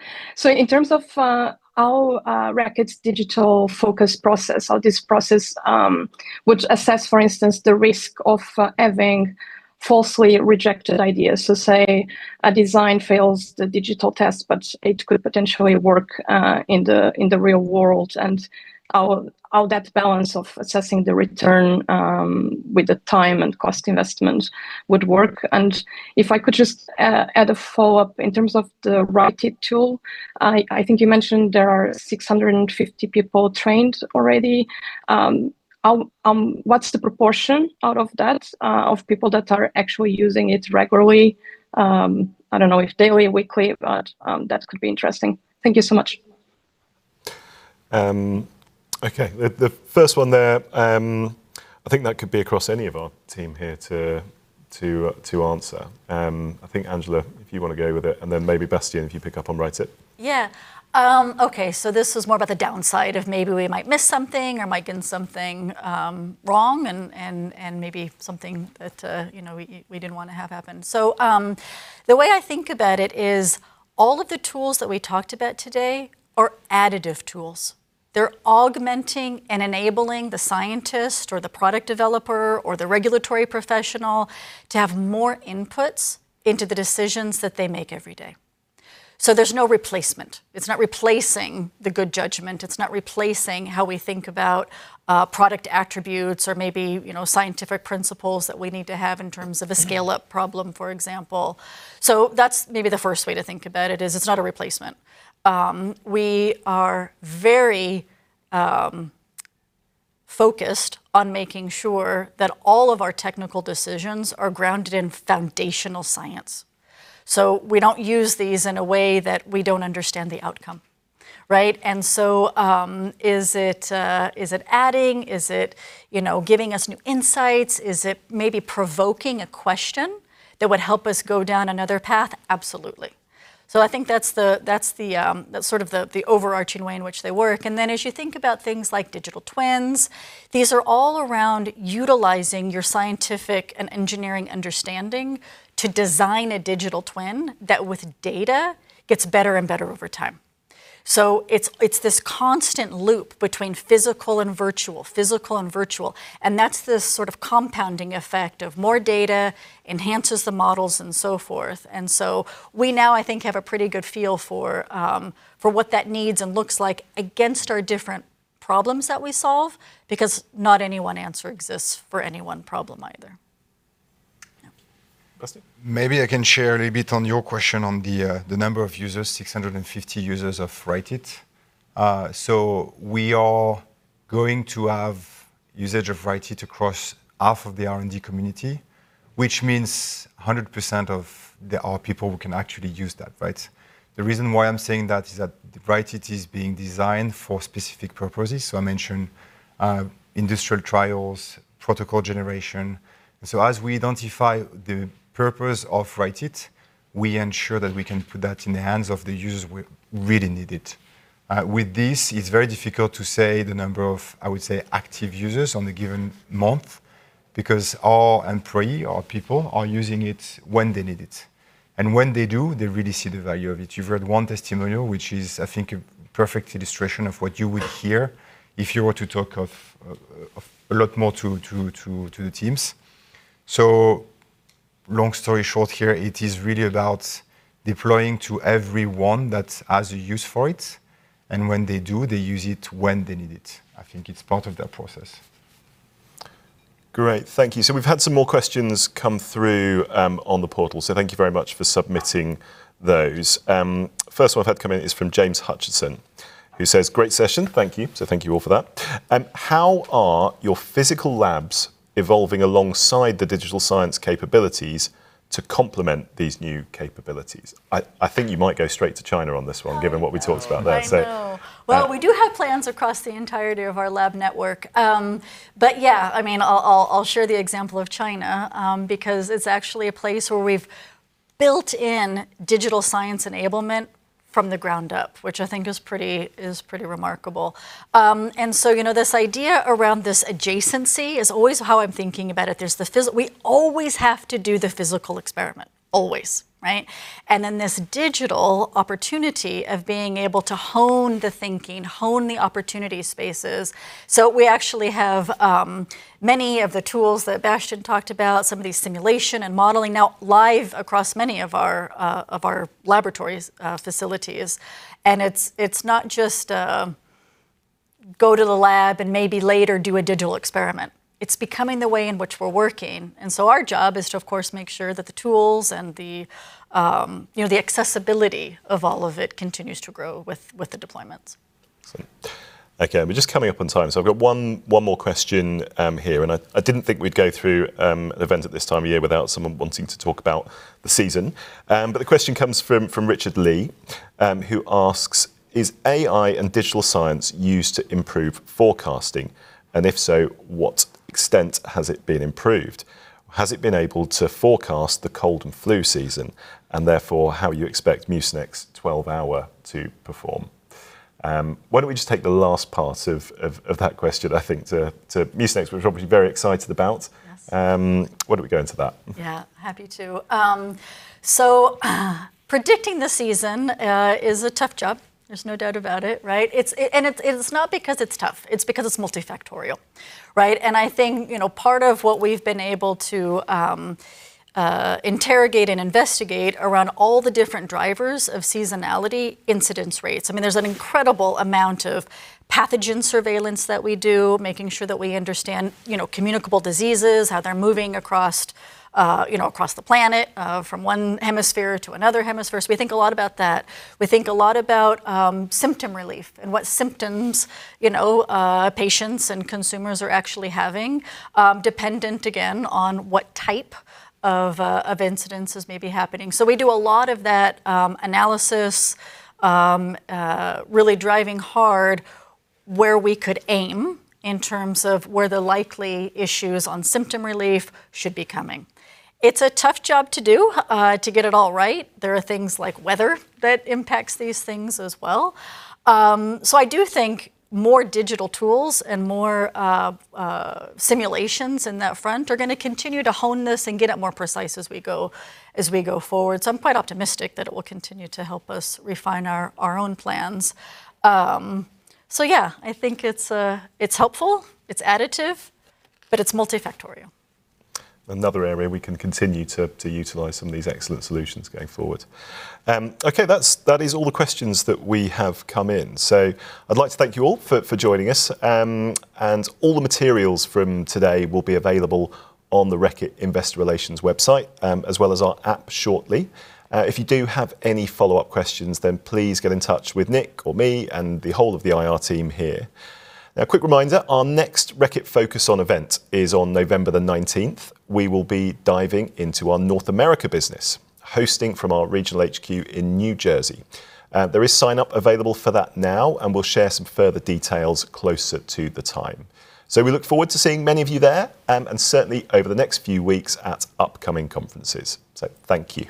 in terms of how Reckitt's digital-focused process or this process would assess, for instance, the risk of having falsely rejected ideas. Say a design fails the digital test, but it could potentially work in the real world, and how that balance of assessing the return with the time and cost investment would work. If I could just add a follow-up in terms of the WriteIt tool. I think you mentioned there are 650 people trained already. How, what's the proportion out of that of people that are actually using it regularly? I don't know if daily, weekly, but that could be interesting. Thank you so much. Okay. The first one there, I think that could be across any of our team here to answer. I think, Angela, if you wanna go with it, and then maybe Bastien, if you pick up on WriteIt. Yeah. Okay, this was more about the downside of maybe we might miss something or might get something wrong and maybe something that, you know, we didn't wanna have happen. The way I think about it is all of the tools that we talked about today are additive tools. They're augmenting and enabling the scientist or the product developer or the regulatory professional to have more inputs into the decisions that they make every day. There's no replacement. It's not replacing the good judgment. It's not replacing how we think about product attributes or maybe, you know, scientific principles that we need to have in terms of. a scale-up problem, for example. That's maybe the first way to think about it is it's not a replacement. We are very focused on making sure that all of our technical decisions are grounded in foundational science. We don't use these in a way that we don't understand the outcome, right? Is it, is it adding? Is it, you know, giving us new insights? Is it maybe provoking a question that would help us go down another path? Absolutely. I think that's the, that's sort of the overarching way in which they work. As you think about things like digital twins, these are all around utilizing your scientific and engineering understanding to design a digital twin that with data gets better and better over time. It's this constant loop between physical and virtual, physical and virtual, that's this sort of compounding effect of more data enhances the models and so forth. We now I think have a pretty good feel for what that needs and looks like against our different problems that we solve, because not any one answer exists for any one problem either. Maybe I can share a little bit on your question on the number of users, 650 users of WriteIt. We are going to have usage of WriteIt across half of the R&D community, which means 100% of our people can actually use that, right? The reason why I'm saying that is that WriteIt is being designed for specific purposes. I mentioned industrial trials, protocol generation. As we identify the purpose of WriteIt, we ensure that we can put that in the hands of the users who really need it. With this, it's very difficult to say the number of, I would say, active users on a given month because our people are using it when they need it. When they do, they really see the value of it. You've heard one testimonial, which is, I think, a perfect illustration of what you would hear if you were to talk of a lot more to the teams. Long story short here, it is really about deploying to everyone that has a use for it, and when they do, they use it when they need it. I think it's part of that process. Great. Thank you. We've had some more questions come through on the portal, so thank you very much for submitting those. First one I've had come in is from James Hutchinson, who says, "Great session. Thank you." Thank you all for that. "How are your physical labs evolving alongside the digital science capabilities to complement these new capabilities?" I think you might go straight to China on this one given what we talked about there. I know. We do have plans across the entirety of our lab network. Yeah, I mean, I'll share the example of China, because it's actually a place where we've built in digital science enablement from the ground up, which I think is pretty remarkable. You know, this idea around this adjacency is always how I'm thinking about it. We always have to do the physical experiment, always, right? This digital opportunity of being able to hone the thinking, hone the opportunity spaces. We actually have many of the tools that Bastien talked about, some of these simulation and modeling now live across many of our laboratory facilities. It's not just go to the lab and maybe later do a digital experiment. It's becoming the way in which we're working. Our job is to, of course, make sure that the tools and the, you know, the accessibility of all of it continues to grow with the deployments. Okay. We're just coming up on time, so I've got one more question here, and I didn't think we'd go through an event at this time of year without someone wanting to talk about the season. The question comes from Richard Lee, who asks, "Is AI and digital science used to improve forecasting? If so, what extent has it been improved? Has it been able to forecast the cold and flu season, and therefore how you expect Mucinex 12-hour to perform?" Why don't we just take the last part of that question, I think, to Mucinex, which we're obviously very excited about. Yes. Why don't we go into that? Yeah, happy to. Predicting the season is a tough job. There's no doubt about it, right? It's not because it's tough, it's because it's multifactorial, right? I think, you know, part of what we've been able to interrogate and investigate around all the different drivers of seasonality, incidence rates. I mean, there's an incredible amount of pathogen surveillance that we do, making sure that we understand, you know, communicable diseases, how they're moving across, you know, across the planet, from one hemisphere to another hemisphere. We think a lot about that. We think a lot about symptom relief and what symptoms, you know, patients and consumers are actually having, dependent, again, on what type of incidences may be happening. We do a lot of that analysis, really driving hard where we could aim in terms of where the likely issues on symptom relief should be coming. It's a tough job to do to get it all right. There are things like weather that impacts these things as well. I do think more digital tools and more simulations in that front are gonna continue to hone this and get it more precise as we go forward. I'm quite optimistic that it will continue to help us refine our own plans. Yeah, I think it's helpful, it's additive, but it's multifactorial. Another area we can continue to utilize some of these excellent solutions going forward. Okay. That is all the questions that we have come in. I'd like to thank you all for joining us. All the materials from today will be available on the Reckitt Investor Relations website, as well as our app shortly. If you do have any follow-up questions, please get in touch with Nick or me and the whole of the IR team here. A quick reminder, our next Reckitt Focus On event is on November 19th. We will be diving into our North America business, hosting from our regional HQ in New Jersey. There is sign up available for that now, we will share some further details closer to the time. We look forward to seeing many of you there, and certainly over the next few weeks at upcoming conferences. Thank you.